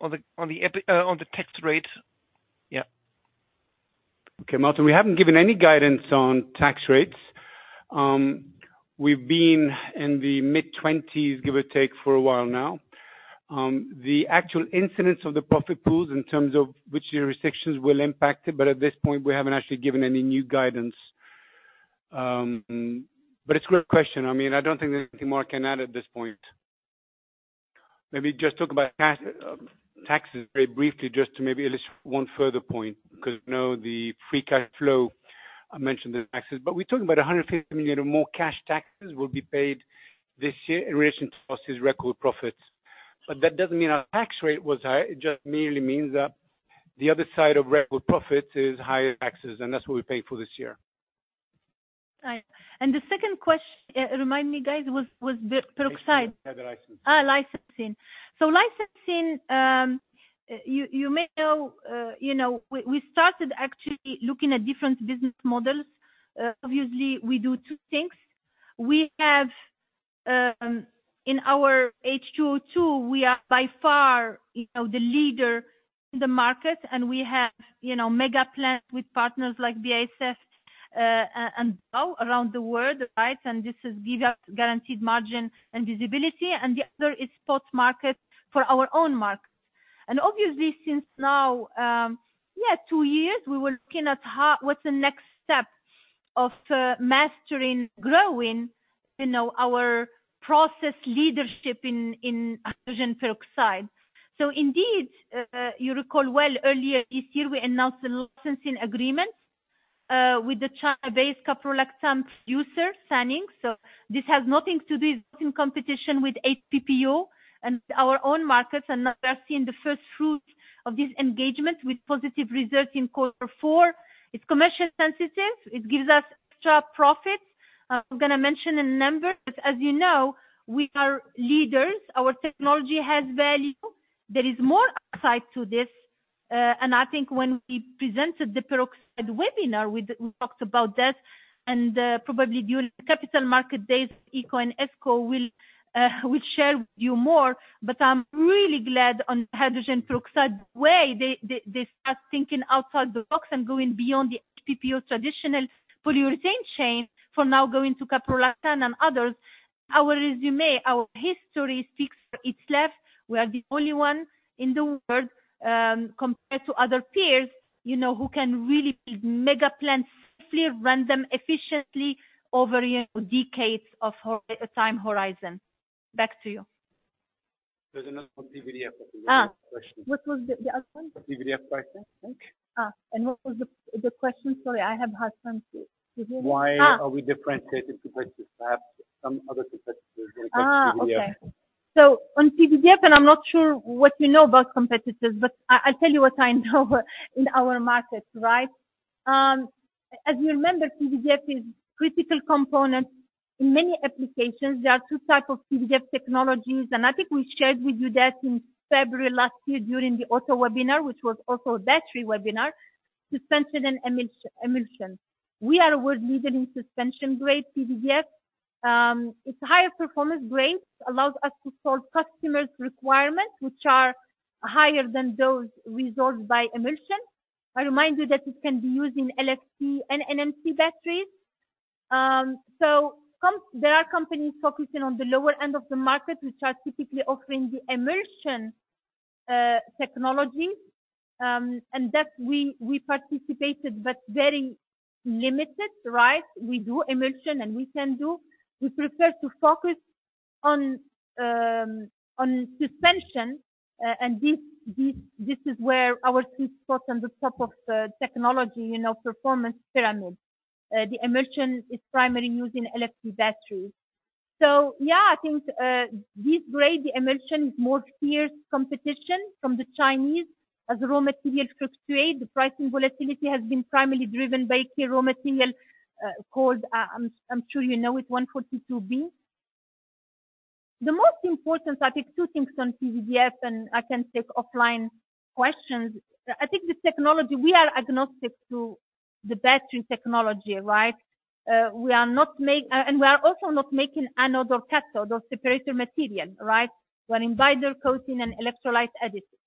On the tax rate. Yeah. Okay. Martin, we haven't given any guidance on tax rates. We've been in the mid-20s, give or take, for a while now. The actual incidence of the profit pools in terms of which jurisdictions will impact it, but at this point, we haven't actually given any new guidance. It's a great question. I mean, I don't think there's anything more I can add at this point. Maybe just talk about taxes very briefly just to maybe at least one further point, 'cause I know the free cash flow, I mentioned the taxes, but we're talking about 150 million or more cash taxes will be paid this year in relation as in record profits. That doesn't mean our tax rate was high. It just merely means that the other side of record profits is higher taxes. That's what we paid for this year. Right. The second question, remind me, guys, was the peroxide. The license. Licensing. Licensing, you may know, you know, we started actually looking at different business models. Obviously, we do two things. We have, in our H2O2, we are by far, you know, the leader in the market, and we have, you know, mega plans with partners like BASF, and around the world, right? This is, gives us guaranteed margin and visibility. The other is spot market for our own markets. Obviously, since now, yeah, 2 years, we were looking at how, what's the next step of mastering growing, you know, our process leadership in hydrogen peroxide. Indeed, you recall well earlier this year, we announced a licensing agreement with the China-based caprolactam producer, Sanning. This has nothing to do, it's not in competition with HPPO and our own markets. We are seeing the first fruit of this engagement with positive results in quarter four. It's commercial sensitive. It gives us extra profits. I'm gonna mention a number, but as you know, we are leaders. Our technology has value. There is more upside to this. I think when we presented the peroxide webinar, we talked about that and probably during the capital market days, EssentialCo and SpecialtyCo will share with you more. I'm really glad on hydrogen peroxide way, they start thinking outside the box and going beyond the HPPO traditional polyurethane chain. For now, going to caprolactam and others. Our resume, our history speaks for itself. We are the only one in the world, compared to other peers, you know, who can really build mega plants, safely run them efficiently over, you know, decades of time horizon. Back to you. There's another PVDF question. What was the other one? The PVDF question, I think. What was the question? Sorry, I have hard time to hear you. Why are we differentiated to perhaps some other competitors when it comes to PVDF? Okay. On PVDF, I'll tell you what I know in our markets, right? As you remember, PVDF is critical component in many applications. There are two type of PVDF technologies, I think we shared with you that in February last year during the auto webinar, which was also battery webinar, suspension and emulsion. We are a world leader in suspension-grade PVDF. It's higher performance grades allows us to solve customers' requirements, which are higher than those resolved by emulsion. I remind you that it can be used in LFP and NMC batteries. There are companies focusing on the lower end of the market, which are typically offering the emulsion technology, that we participated, but very limited, right? We do emulsion, we can do. We prefer to focus on suspension. This is where our sweet spot on the top of the technology, you know, performance pyramid. The emulsion is primarily used in LFP batteries. Yeah, I think this grade, the emulsion, is more fierce competition from the Chinese as raw material fluctuate. The pricing volatility has been primarily driven by key raw material, called, I'm sure you know it, 142b. The most important, I think two things on PVDF. I can take offline questions. I think the technology, we are agnostic to the battery technology, right? We are also not making anode or cathode or separator material, right? We're in binder, coating, and electrolyte additive.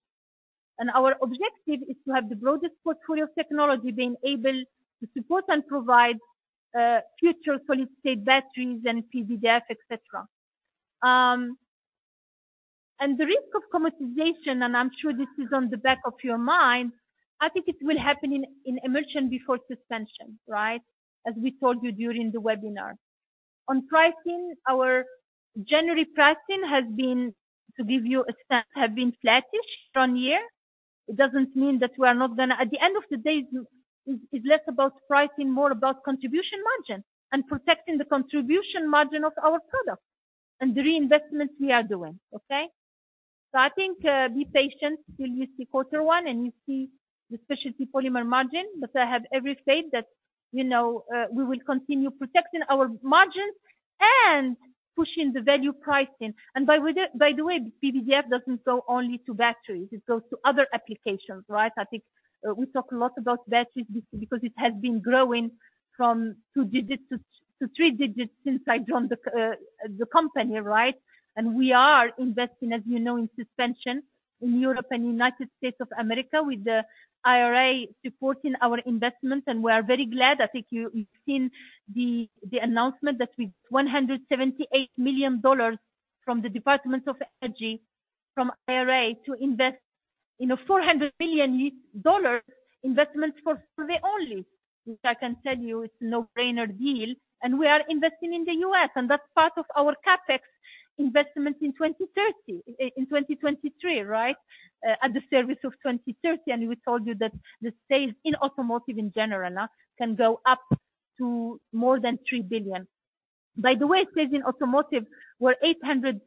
Our objective is to have the broadest portfolio of technology, being able to support and provide, future solid-state batteries and PVDF, et cetera. The risk of commoditization, and I'm sure this is on the back of your mind, I think it will happen in emulsion before suspension, right? As we told you during the webinar. On pricing, our January pricing has been, to give you a sense, have been flattish year-on-year. It doesn't mean that we are not gonna. At the end of the day, is less about pricing, more about contribution margin and protecting the contribution margin of our products and the reinvestments we are doing. Okay? I think, be patient till you see quarter one and you see the Specialty Polymers margin, but I have every faith that, you know, we will continue protecting our margins and pushing the value pricing. By the way, PVDF doesn't go only to batteries. It goes to other applications, right? I think, we talk a lot about batteries because it has been growing from two digits to three digits since I joined the company, right? We are investing, as you know, in suspension in Europe and United States of America with the IRA supporting our investments, and we are very glad. I think you've seen the announcement that we've $178 million from the Department of Energy from IRA to invest in a $400 million investment for Solvay only. Which I can tell you it's a no-brainer deal. We are investing in the U.S., and that's part of our CapEx investment in 2030, in 2023, right. At the service of 2030. We told you that the sales in automotive in general, can go up to more than 3 billion. By the way, sales in automotive were 800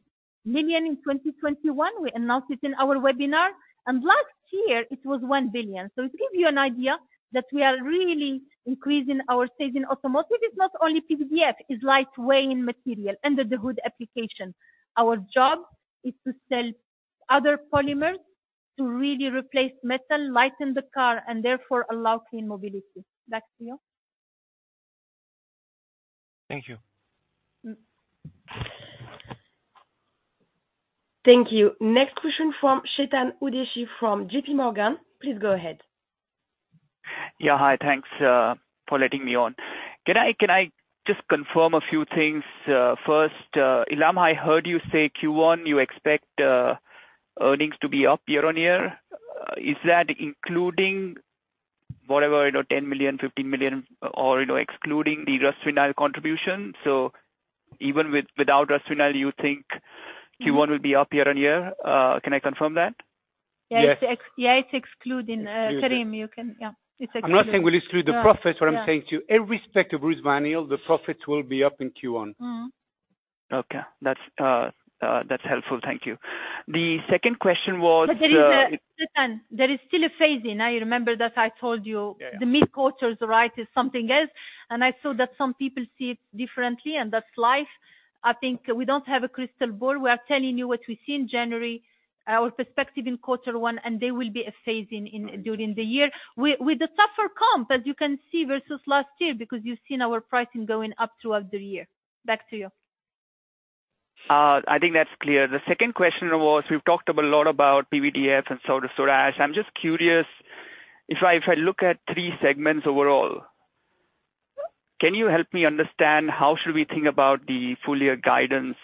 million in 2021. We announced it in our webinar. Last year it was 1 billion. It gives you an idea that we are really increasing our sales in automotive. It's not only PVDF, it's lightweight material, under the hood application. Our job is to sell other polymers to really replace metal, lighten the car, and therefore allow clean mobility. Back to you. Thank you. Mm. Thank you. Next question from Chetan Udeshi from JPMorgan. Please go ahead. Yeah. Hi. Thanks for letting me on. Can I, can I just confirm a few things? First, Ilham, I heard you say Q1 you expect earnings to be up year-on-year. Is that including whatever, you know, 10 million, 15 million or, you know, excluding the RusVinyl contribution? Even without RusVinyl, you think Q1 will be up year-on-year? Can I confirm that? Yeah. Yes. Yeah, it's excluding. Karim, you can... Yeah. It's excluding. I'm not saying we'll exclude the profits. Yeah. Yeah. What I'm saying to you, irrespective of RusVinyl, the profits will be up in Q1. Mm-hmm. Okay. That's, that's helpful. Thank you. The second question was. There is Chetan, there is still a phase in. You remember that I told you... Yeah. The mid quarter's, right, is something else. I saw that some people see it differently. That's life. I think we don't have a crystal ball. We are telling you what we see in January, our perspective in quarter one. There will be a phase in during the year. With a tougher comp, as you can see, versus last year because you've seen our pricing going up throughout the year. Back to you. I think that's clear. The second question was, we've talked a lot about PVDF and Soda ash. I'm just curious if I, if I look at three segments overall. Can you help me understand how should we think about the full year guidance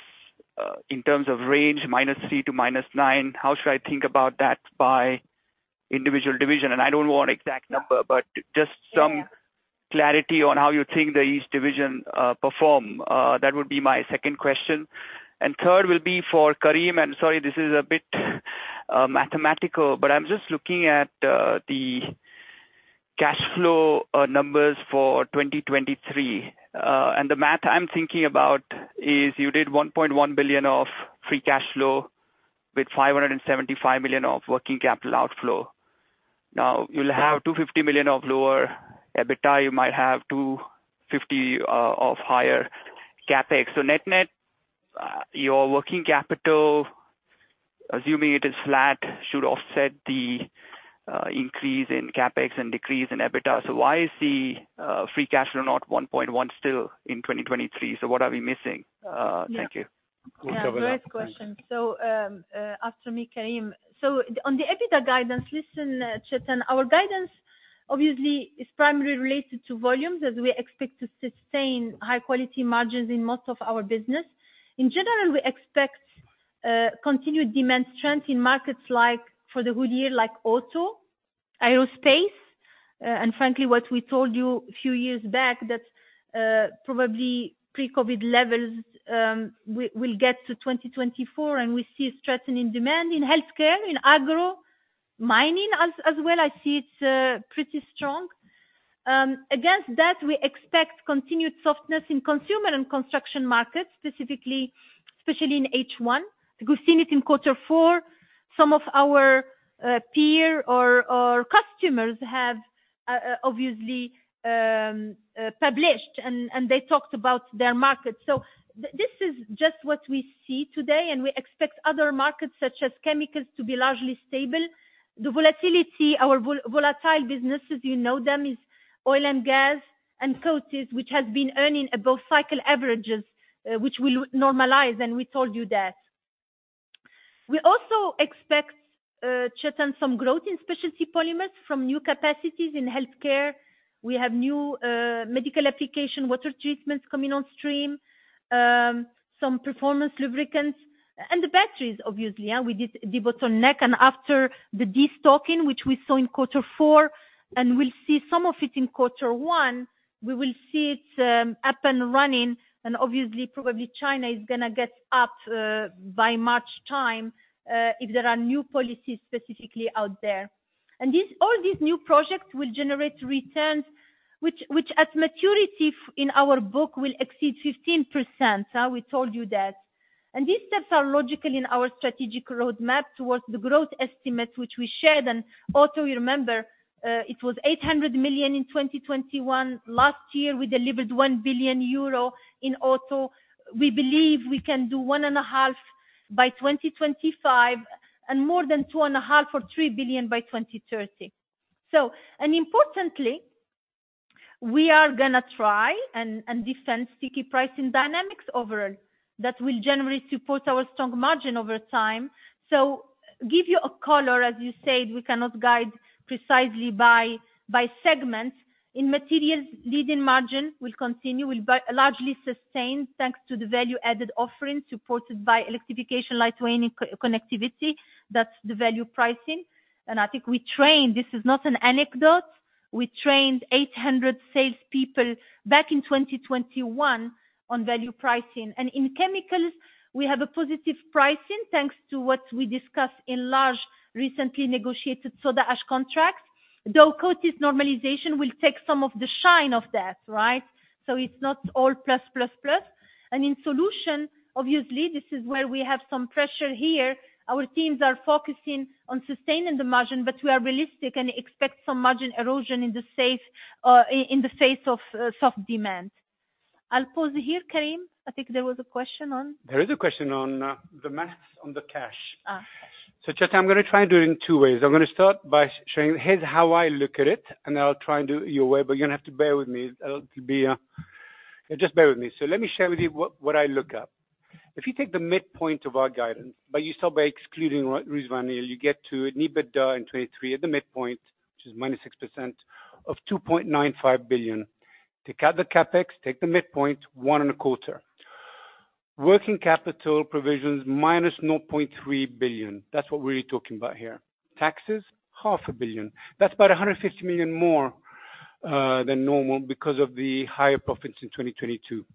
in terms of range -3% to -9%? How should I think about that by individual division? I don't want exact number, but just some clarity on how you think that each division perform. That would be my second question. Third will be for Karim, and sorry, this is a bit mathematical, but I'm just looking at the cash flow numbers for 2023. And the math I'm thinking about is you did 1.1 billion of free cash flow with 575 million of working capital outflow. You'll have 250 million of lower EBITDA. You might have 250 of higher CapEx. Net-net, your working capital, assuming it is flat, should offset the increase in CapEx and decrease in EBITDA. Why is the free cash flow not 1.1 still in 2023? What are we missing? Thank you. Great question. After me, Karim. On the EBITDA guidance, listen, Chetan, our guidance obviously is primarily related to volumes as we expect to sustain high quality margins in most of our business. In general, we expect continued demand strength in markets like for the whole year, like auto, aerospace, and frankly what we told you a few years back that probably pre-COVID levels, we'll get to 2024, and we see strengthening demand in healthcare, in agro, mining as well. I see it's pretty strong. Against that, we expect continued softness in consumer and construction markets, specifically, especially in H1. We've seen it in quarter four. Some of our peer or customers have obviously published and they talked about their markets. This is just what we see today, and we expect other markets such as chemicals to be largely stable. The volatility, our volatile businesses, you know them, is oil and gas and coatings, which has been earning above cycle averages, which will normalize, and we told you that. We also expect, Chetan, some growth in Specialty Polymers from new capacities in healthcare. We have new medical application water treatments coming on stream, some performance lubricants and the batteries, obviously. We did the bottleneck and after the destocking, which we saw in quarter four, and we'll see some of it in quarter one, we will see it up and running. Obviously, probably China is gonna get up by March time, if there are new policies specifically out there. These, all these new projects will generate returns which at maturity in our book will exceed 15%. We told you that. These steps are logical in our strategic roadmap towards the growth estimates, which we shared. You remember, it was 800 million in 2021. Last year, we delivered 1 billion euro in auto. We believe we can do one and a half billion by 2025 and more than two and a half or 3 billion by 2030. Importantly, we are gonna try and defend sticky pricing dynamics overall. That will generally support our strong margin over time. Give you a color, as you said, we cannot guide precisely by segment. In materials, leading margin will continue, will largely sustained thanks to the value-added offerings supported by electrification, lightweight, and connectivity. That's the value pricing. I think this is not an anecdote. We trained 800 salespeople back in 2021 on value pricing. In chemicals, we have a positive pricing thanks to what we discussed in large recently negotiated Soda ash contracts. Though coatings normalization will take some of the shine of that, right? It's not all plus, plus. In solution, obviously, this is where we have some pressure here. Our teams are focusing on sustaining the margin, but we are realistic and expect some margin erosion in the face of soft demand. I'll pause here, Karim. I think there was a question on? There is a question on the maths on the cash. Cash. Chetan, I'm gonna try and do it in two ways. I'm gonna start by showing here's how I look at it, and I'll try and do it your way, but you're gonna have to bear with me. It'll be. Just bear with me. Let me share with you what I look at. If you take the midpoint of our guidance, but you start by excluding RusVinyl, you get to EBITDA in 2023 at the midpoint, which is -6% of 2.95 billion. Take out the CapEx, take the midpoint, one and a quarter. Working capital provisions, -0.3 billion. That's what we're really talking about here. Taxes, EUR half a billion. That's about 150 million more than normal because of the higher profits in 2022.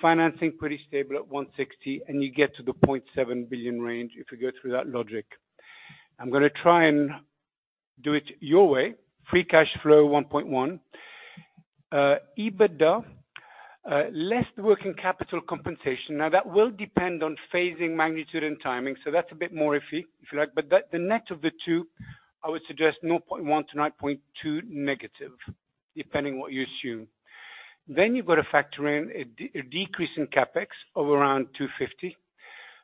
Financing, pretty stable at 160. You get to the 0.7 billion range if you go through that logic. I'm gonna try and do it your way. Free cash flow, 1.1. EBITDA less the working capital compensation. Now, that will depend on phasing, magnitude, and timing, so that's a bit more iffy, if you like. The net of the two, I would suggest 0.1-0.2 negative, depending what you assume. Then you've got to factor in a decrease in CapEx of around 250.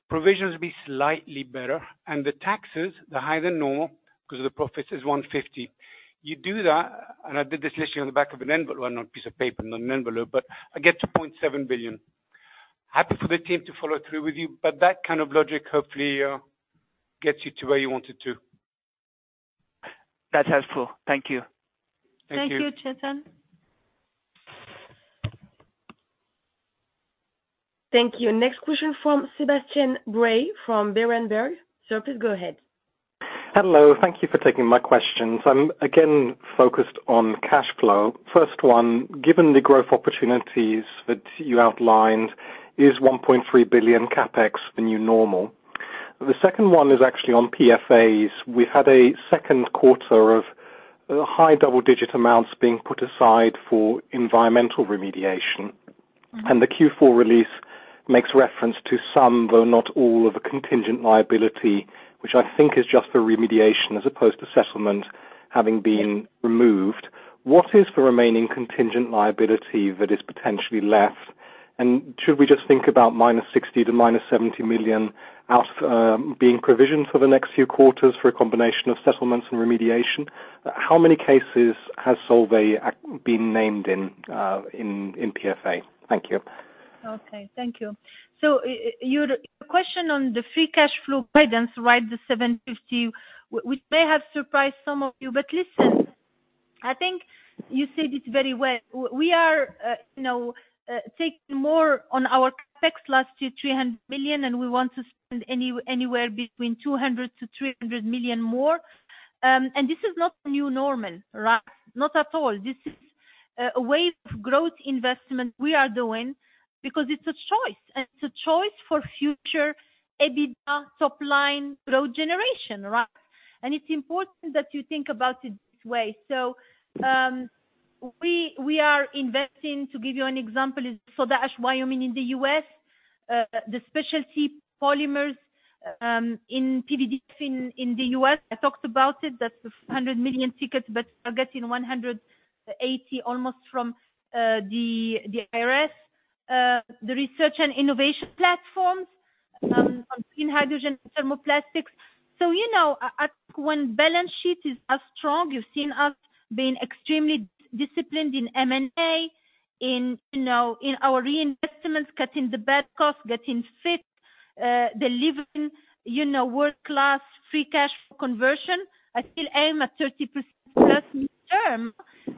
Provisions will be slightly better. The taxes, they're higher than normal because the profits is 150. You do that, and I did this literally on the back of an envelope. Well, not piece of paper, not an envelope, but I get to 0.7 billion. Happy for the team to follow through with you, but that kind of logic hopefully, gets you to where you wanted to. That's helpful. Thank you. Thank you. Thank you, Chetan. Thank you. Next question from Sebastian Bray from Berenberg. Sir, please go ahead. Hello. Thank you for taking my questions. I'm again focused on cash flow. First one, given the growth opportunities that you outlined, is 1.3 billion CapEx the new normal? The second one is actually on PFAS. We had a second quarter of high double-digit amounts being put aside for environmental remediation, and the Q4 release makes reference to some, though not all, of a contingent liability, which I think is just a remediation as opposed to settlement having been removed. What is the remaining contingent liability that is potentially left? Should we just think about -60 million to -70 million out being provisioned for the next few quarters for a combination of settlements and remediation? How many cases has Solvay been named in in PFAS? Thank you. Okay. Thank you. Your question on the free cash flow guidance, right, the 750, which may have surprised some of you. Listen, I think you said it very well. We are, you know, take more on our CapEx last year, 300 million, and we want to spend anywhere between 200 million-300 million more. This is not the new normal, right? Not at all. This is a wave of growth investment we are doing because it's a choice. It's a choice for future EBITDA top line road generation, right? It's important that you think about it this way. We are investing, to give you an example, is Soda ash, Wyoming in the U.S., the Specialty Polymers, in PVDF in the U.S. I talked about it. That's 100 million tickets, but I get in $180 million almost from the IRS, the research and innovation platforms, in hydrogen thermoplastics. You know, when balance sheet is as strong, you've seen us being extremely disciplined in M&A, in, you know, in our reinvestments, cutting the bad costs, getting fit, delivering, you know, world-class free cash flow conversion. I still aim at 30% plus mid-term.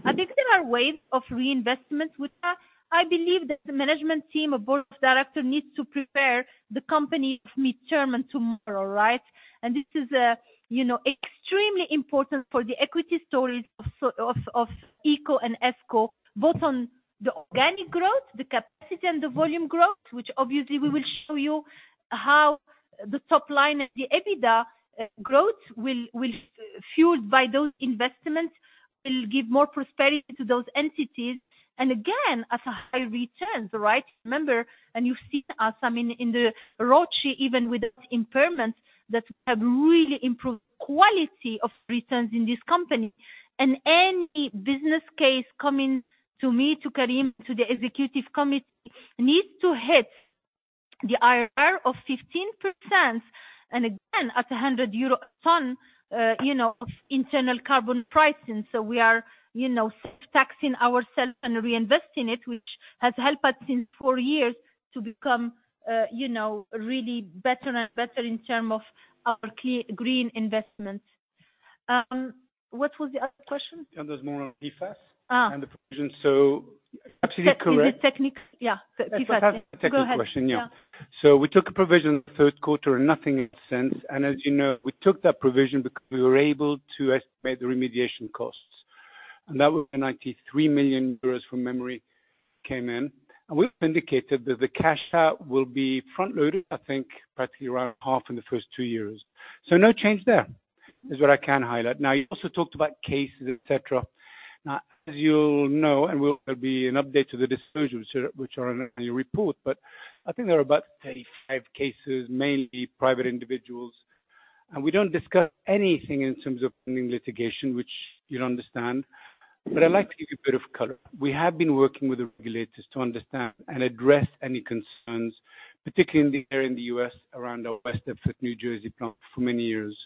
I think there are ways of reinvestment with that. I believe that the management team or board of director needs to prepare the company for mid-term and tomorrow, right? This is, you know, extremely important for the equity stories of ECO and ESCO, both on the organic growth, the capacity and the volume growth, which obviously we will show you how the top line and the EBITDA growth will, fueled by those investments, will give more prosperity to those entities. Again, at a high returns, right? Remember, you've seen us, I mean, in the ROCE, even with the impairment, that we have really improved quality of returns in this company. Any business case coming to me, to Karim, to the Executive Committee, needs to hit the IRR of 15% and again at 100 euro a ton, you know, internal carbon pricing. We are, you know, taxing ourselves and reinvesting it, which has helped us in four years to become, you know, really better and better in terms of our green investment. What was the other question? There's more on PFAS. Ah. The provisions. Absolutely correct. The techniques, yeah. The technical question, yeah. Go ahead, yeah. We took a provision third quarter and nothing since. As you know, we took that provision because we were able to estimate the remediation costs. That was the 93 million euros from memory came in. We've indicated that the cash out will be front-loaded, I think practically around half in the first two years. No change there, is what I can highlight. You also talked about cases, et cetera. As you'll know, and will be an update to the disclosures which are in your report, but I think there are about 35 cases, mainly private individuals. We don't discuss anything in terms of pending litigation, which you'd understand. I'd like to give you a bit of color. We have been working with the regulators to understand and address any concerns, particularly here in the U.S., around our West Deptford, New Jersey plant for many years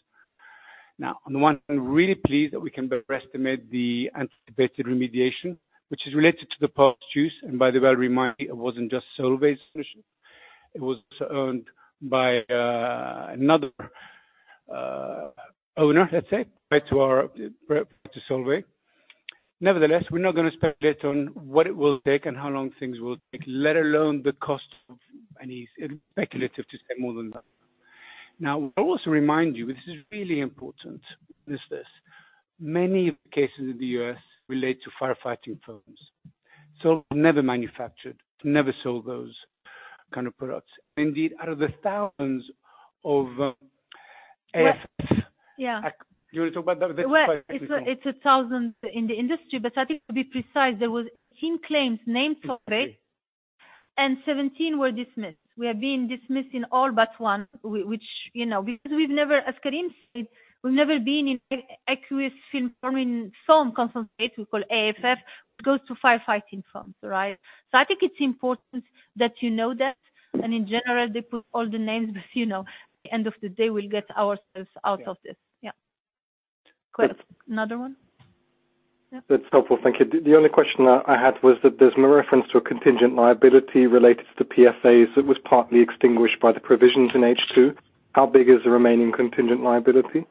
now. On one hand, I'm really pleased that we can best estimate the anticipated remediation, which is related to the past use. By the way, remind you, it wasn't just Solvay's position. It was also owned by another owner, let's say, prior to Solvay. Nevertheless, we're not gonna speculate on what it will take and how long things will take, let alone the cost of any. It's speculative to say more than that. I'll also remind you, this is really important, is this. Many of the cases in the U.S. relate to firefighting foams. Solvay never manufactured, never sold those kind of products. Out of the thousands of. Yeah. You want to talk about? Well, it's a 1,000 in the industry, but I think to be precise, there was team claims named Solvay, and 17 were dismissed. We have been dismissing all but one, which, you know, we've never, as Karim said, we've never been in aqueous film forming foam concentrate, we call AFF, goes to firefighting foams, right? I think it's important that you know that. In general, they put all the names, but you know, at the end of the day, we'll get ourselves out of this. Yeah. Go ahead. Another one? That's helpful. Thank you. The only question I had was that there's no reference to a contingent liability related to PFAS that was partly extinguished by the provisions in H2. How big is the remaining contingent liability?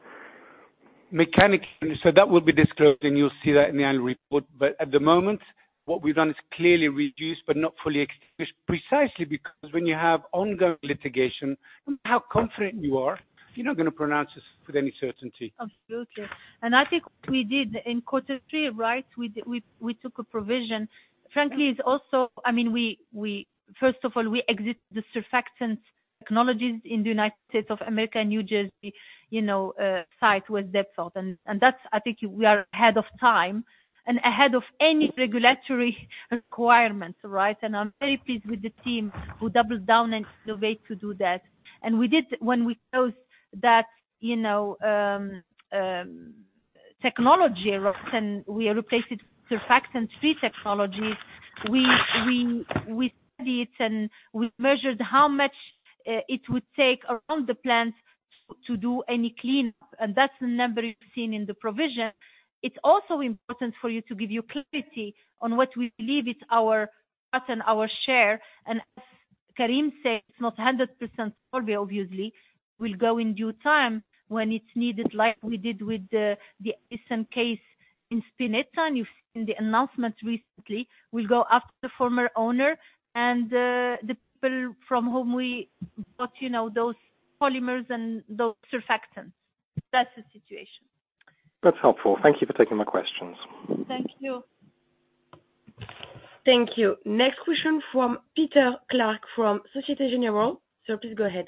Mechanically. That will be disclosed, and you'll see that in the annual report. At the moment, what we've done is clearly reduced but not fully extinguished. Precisely because when you have ongoing litigation, no matter how confident you are, you're not gonna pronounce this with any certainty. Absolutely. I think what we did in quarter three, right? We took a provision. Frankly, it's also, I mean, we first of all, we exit the surfactant technologies in the United States of America, New Jersey, you know, site West Deptford. That's, I think we are ahead of time and ahead of any regulatory requirements, right? I'm very pleased with the team who doubled down and innovate to do that. We did, when we closed that, you know, technology route, and we replaced it surfactant free technologies. We studied and we measured how much it would take around the plant to do any cleanup, and that's the number you've seen in the provision. It's also important for you to give you clarity on what we believe is our cut and our share. As Karim said, it's not 100% solved obviously, will go in due time when it's needed, like we did with the SM case in Spinetta. You've seen the announcement recently. We'll go after the former owner and the people from whom we got, you know, those polymers and those surfactants. That's the situation. That's helpful. Thank you for taking my questions. Thank you. Thank you. Next question from Peter Clark from Societe Generale. Sir, please go ahead.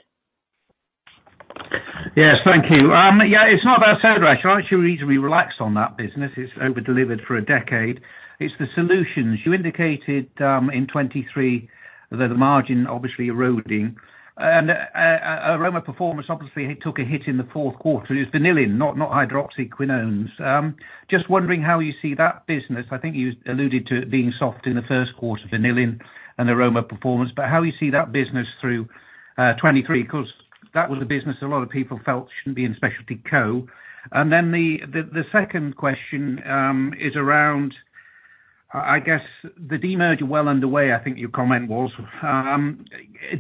Yes, thank you. Yeah, it's not about sodra. I'm actually reasonably relaxed on that business. It's over-delivered for a decade. It's the solutions. You indicated in 23 that the margin obviously eroding and Aroma Performance obviously took a hit in the fourth quarter. It was vanillin, not hydroxyquinones. Just wondering how you see that business. I think you alluded to it being soft in the first quarter, vanillin and Aroma Performance. How you see that business through 2023, 'cause that was a business a lot of people felt shouldn't be in SpecialtyCo. The second question is around I guess the de-merge well underway, I think your comment was.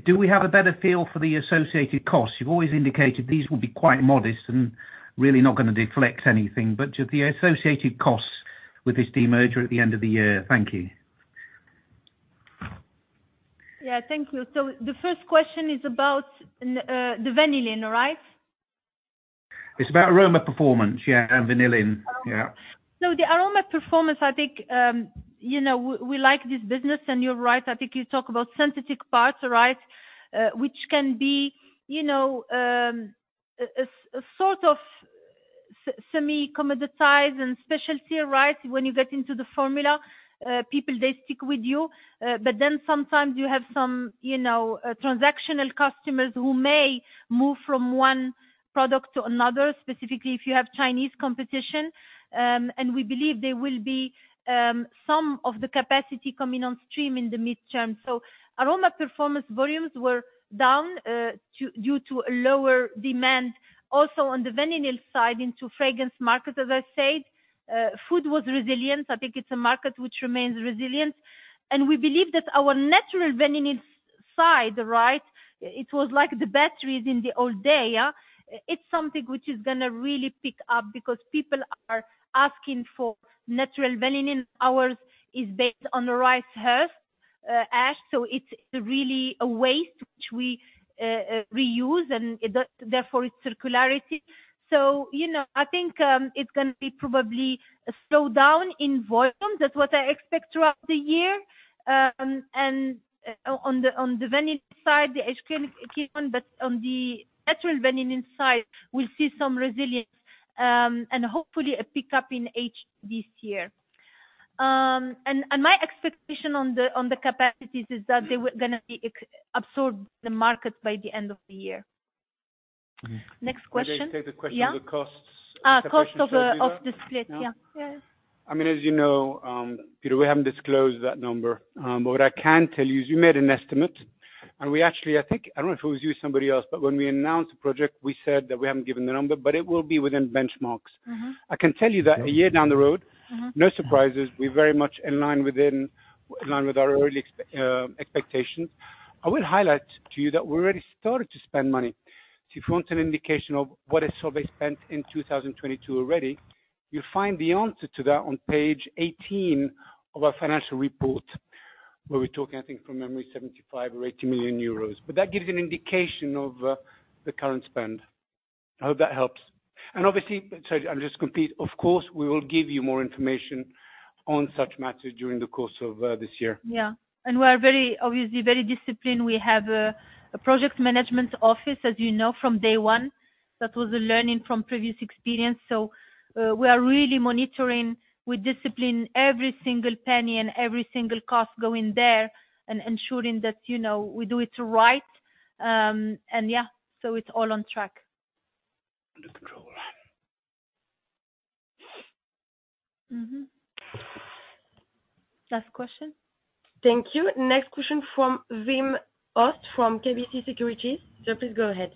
Do we have a better feel for the associated costs? You've always indicated these will be quite modest and really not gonna deflect anything, but just the associated costs with this de-merger at the end of the year. Thank you. Yeah. Thank you. The first question is about the vanillin, right? It's about Aroma Performance, yeah, and vanillin. Yeah. The Aroma Performance, I think, you know, we like this business, and you're right. I think you talk about synthetic parts, right? Which can be, you know, a sort of semi commoditized and specialty, right? When you get into the formula, people, they stick with you. Sometimes you have some, you know, transactional customers who may move from one product to another, specifically if you have Chinese competition. We believe there will be some of the capacity coming on stream in the midterm. Aroma Performance volumes were down due to a lower demand. Also on the vanillin side into fragrance market as I said, food was resilient. I think it's a market which remains resilient, we believe that our natural vanillin side, right? It was like the batteries in the old day, yeah. It's something which is gonna really pick up because people are asking for natural vanillin. Ours is based on rice husk ash. It's really a waste which we reuse, and therefore it's circularity. You know, I think, it's gonna be probably a slowdown in volume. That's what I expect throughout the year. On the vanillin side, the Hydroquinone is one, but on the natural vanillin side, we'll see some resilience, and hopefully a pickup in H2 this year. And my expectation on the capacities is that they were gonna be absorbed the market by the end of the year. Next question. May I take the question of the costs? Cost of the split, yeah. Yes. I mean, as you know, Peter, we haven't disclosed that number. What I can tell you is you made an estimate, and we actually, I think, I don't know if it was you or somebody else, but when we announced the project, we said that we haven't given the number, but it will be within benchmarks. I can tell you that a year down the road. Mm-hmm. no surprises. We're very much in line with our early expectations. I will highlight to you that we already started to spend money. If you want an indication of what is already spent in 2022, you'll find the answer to that on page 18 of our financial report, where we're talking, I think from memory, 75 million or 80 million euros. That gives an indication of the current spend. I hope that helps. Obviously... Sorry, I'll just compete. Of course, we will give you more information on such matters during the course of this year. Yeah. We are very, obviously very disciplined. We have a project management office, as you know, from day one. That was a learning from previous experience. We are really monitoring with discipline every single penny and every single cost going there and ensuring that, you know, we do it right. Yeah, so it's all on track. Under control. Last question. Thank you. Next question from Wim Hoste from KBC Securities. Please go ahead.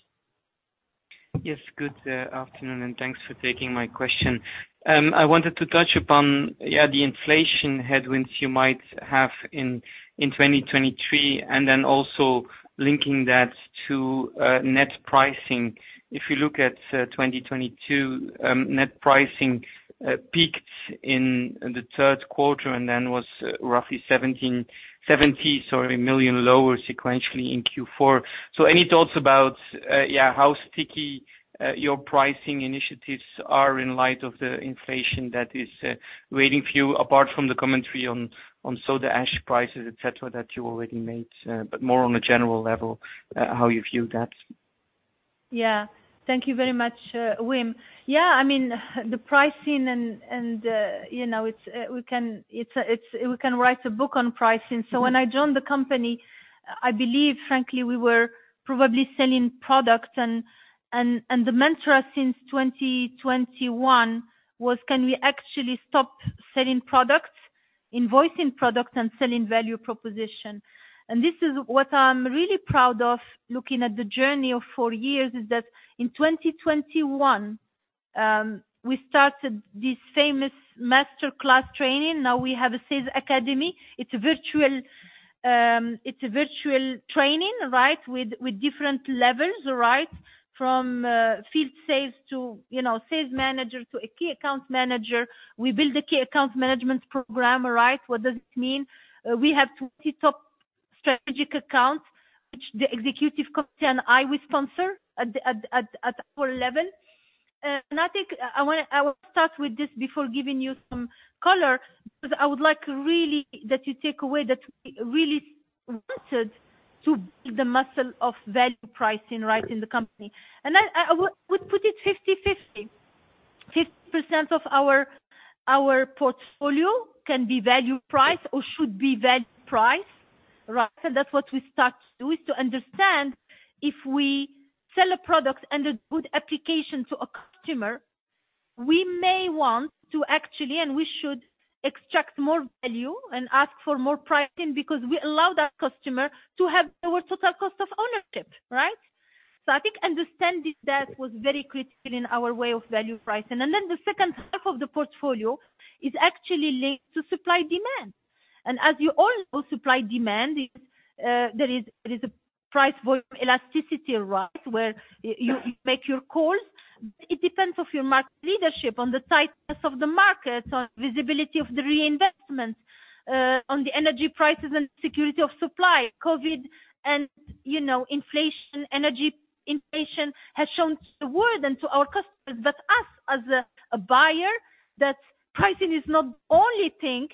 Yes, good afternoon, thanks for taking my question. I wanted to touch upon the inflation headwinds you might have in 2023, also linking that to net pricing. If you look at 2022, net pricing peaked in the third quarter, was roughly 17, 70, sorry, million lower sequentially in Q4. Any thoughts about how sticky your pricing initiatives are in light of the inflation that is waiting for you, apart from the commentary on Soda ash prices, et cetera, that you already made, more on a general level, how you view that? Yeah. Thank you very much, Wim. Yeah, I mean, the pricing and, you know, it's We can write a book on pricing. When I joined the company, I believe, frankly, we were probably selling products and the mantra since 2021 was: Can we actually stop selling products, invoicing products and selling value proposition? This is what I'm really proud of looking at the journey of four years, is that in 2021, we started this famous master class training. Now we have a sales academy. It's a virtual, it's a virtual training, right, with different levels, right? From field sales to, you know, sales manager to a key account manager. We build a key account management program, right? What does it mean? We have 20 top strategic accounts which the executive committee and I, we sponsor at 411. I think I will start with this before giving you some color, because I would like really that you take away that we really wanted to build the muscle of value pricing, right, in the company. I would put it 50/50. 50% of our portfolio can be value priced or should be value priced, right? That's what we start to do, is to understand if we sell a product and a good application to a customer, we may want to actually, and we should extract more value and ask for more pricing because we allow that customer to have lower total cost of ownership, right? I think understanding that was very critical in our way of value pricing. Then the second half of the portfolio is actually linked to supply-demand. As you all know, supply-demand is, there is a price volume elasticity, right, where you make your calls. It depends on your market leadership, on the tightness of the market, on visibility of the reinvestments, on the energy prices and security of supply. COVID and, you know, inflation, energy inflation has shown to the world and to our customers that us as a buyer, that pricing is not the only thing.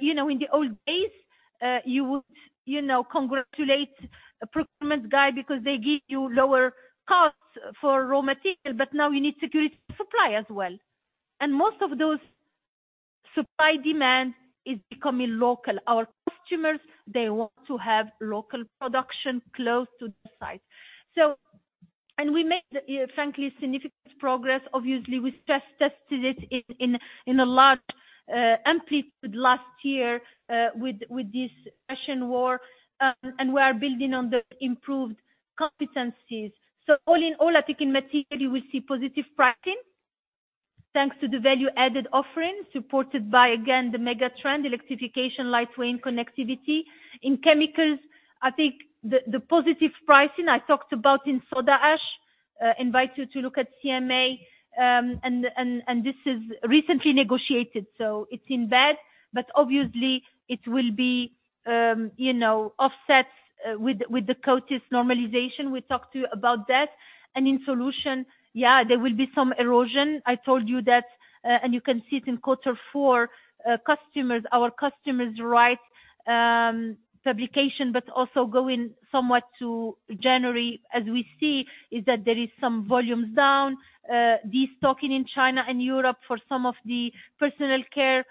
You know, in the old days, you would, you know, congratulate a procurement guy because they give you lower costs for raw material, but now you need security of supply as well. Most of those supply-demand is becoming local. Our customers, they want to have local production close to the site. We made, frankly, significant progress. Obviously, we tested it in a large amplitude last year, with this Russian war, and we are building on the improved competencies. All in all, I think in Materials we see positive pricing. Thanks to the value-added offerings supported by, again, the mega trend, electrification, lightweight and connectivity. In Chemicals, I think the positive pricing I talked about in Soda ash, invite you to look at CMA, and this is recently negotiated, so it's in bed. Obviously it will be, you know, offsets, with the coatings normalization, we talked to you about that. In Solutions, yeah, there will be some erosion. I told you that, and you can see it in quarter four, customers, our customers, right, publication, but also going somewhat to January, as we see, is that there is some volumes down. Destocking in China and Europe for some of the personal care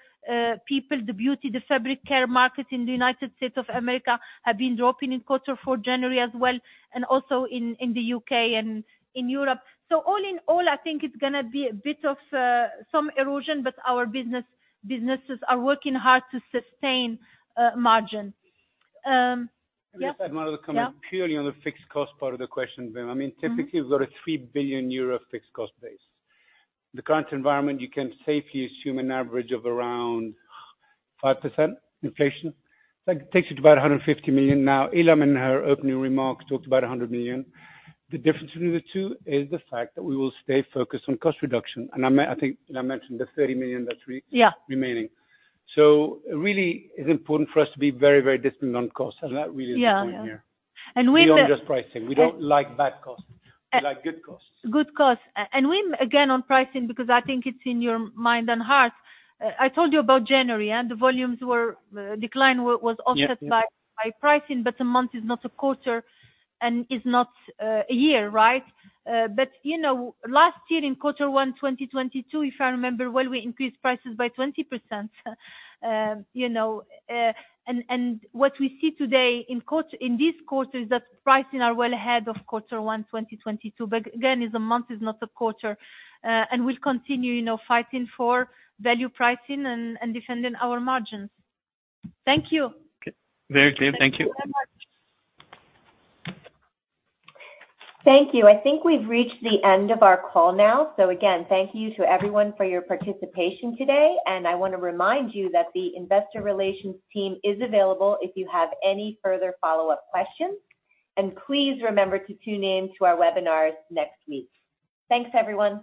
people. The beauty, the fabric care market in the United States of America have been dropping in quarter four, January as well, and also in the U.K. and in Europe. All in all, I think it's gonna be a bit of some erosion, but our businesses are working hard to sustain margin. Yeah. Just add one other comment. Yeah. Purely on the fixed cost part of the question, Wim, I mean, typically you've got a 3 billion euro fixed cost base. The current environment, you can safely assume an average of around 5% inflation. That takes you to about 150 million. Now, Ilham in her opening remarks talked about 100 million. The difference between the two is the fact that we will stay focused on cost reduction. I think Ilham mentioned the 30 million. Yeah. remaining. Really it's important for us to be very, very disciplined on costs, and that really is the point here. Yeah. Beyond just pricing. We don't like bad costs. We like good costs. Good costs. Wim, again, on pricing, because I think it's in your mind and heart. I told you about January, the volumes were, decline was offset by pricing, but a month is not a quarter and is not a year, right? You know, last year in quarter one 2022, if I remember well, we increased prices by 20%. You know, what we see today in this quarter is that pricing are well ahead of quarter one 2022. Again, it's a month, it's not a quarter. We'll continue, you know, fighting for value pricing and defending our margins. Thank you. Very clear. Thank you. Thank you very much. Thank you. I think we've reached the end of our call now. Again, thank you to everyone for your participation today. I want to remind you that the investor relations team is available if you have any further follow-up questions. Please remember to tune in to our webinars next week. Thanks, everyone.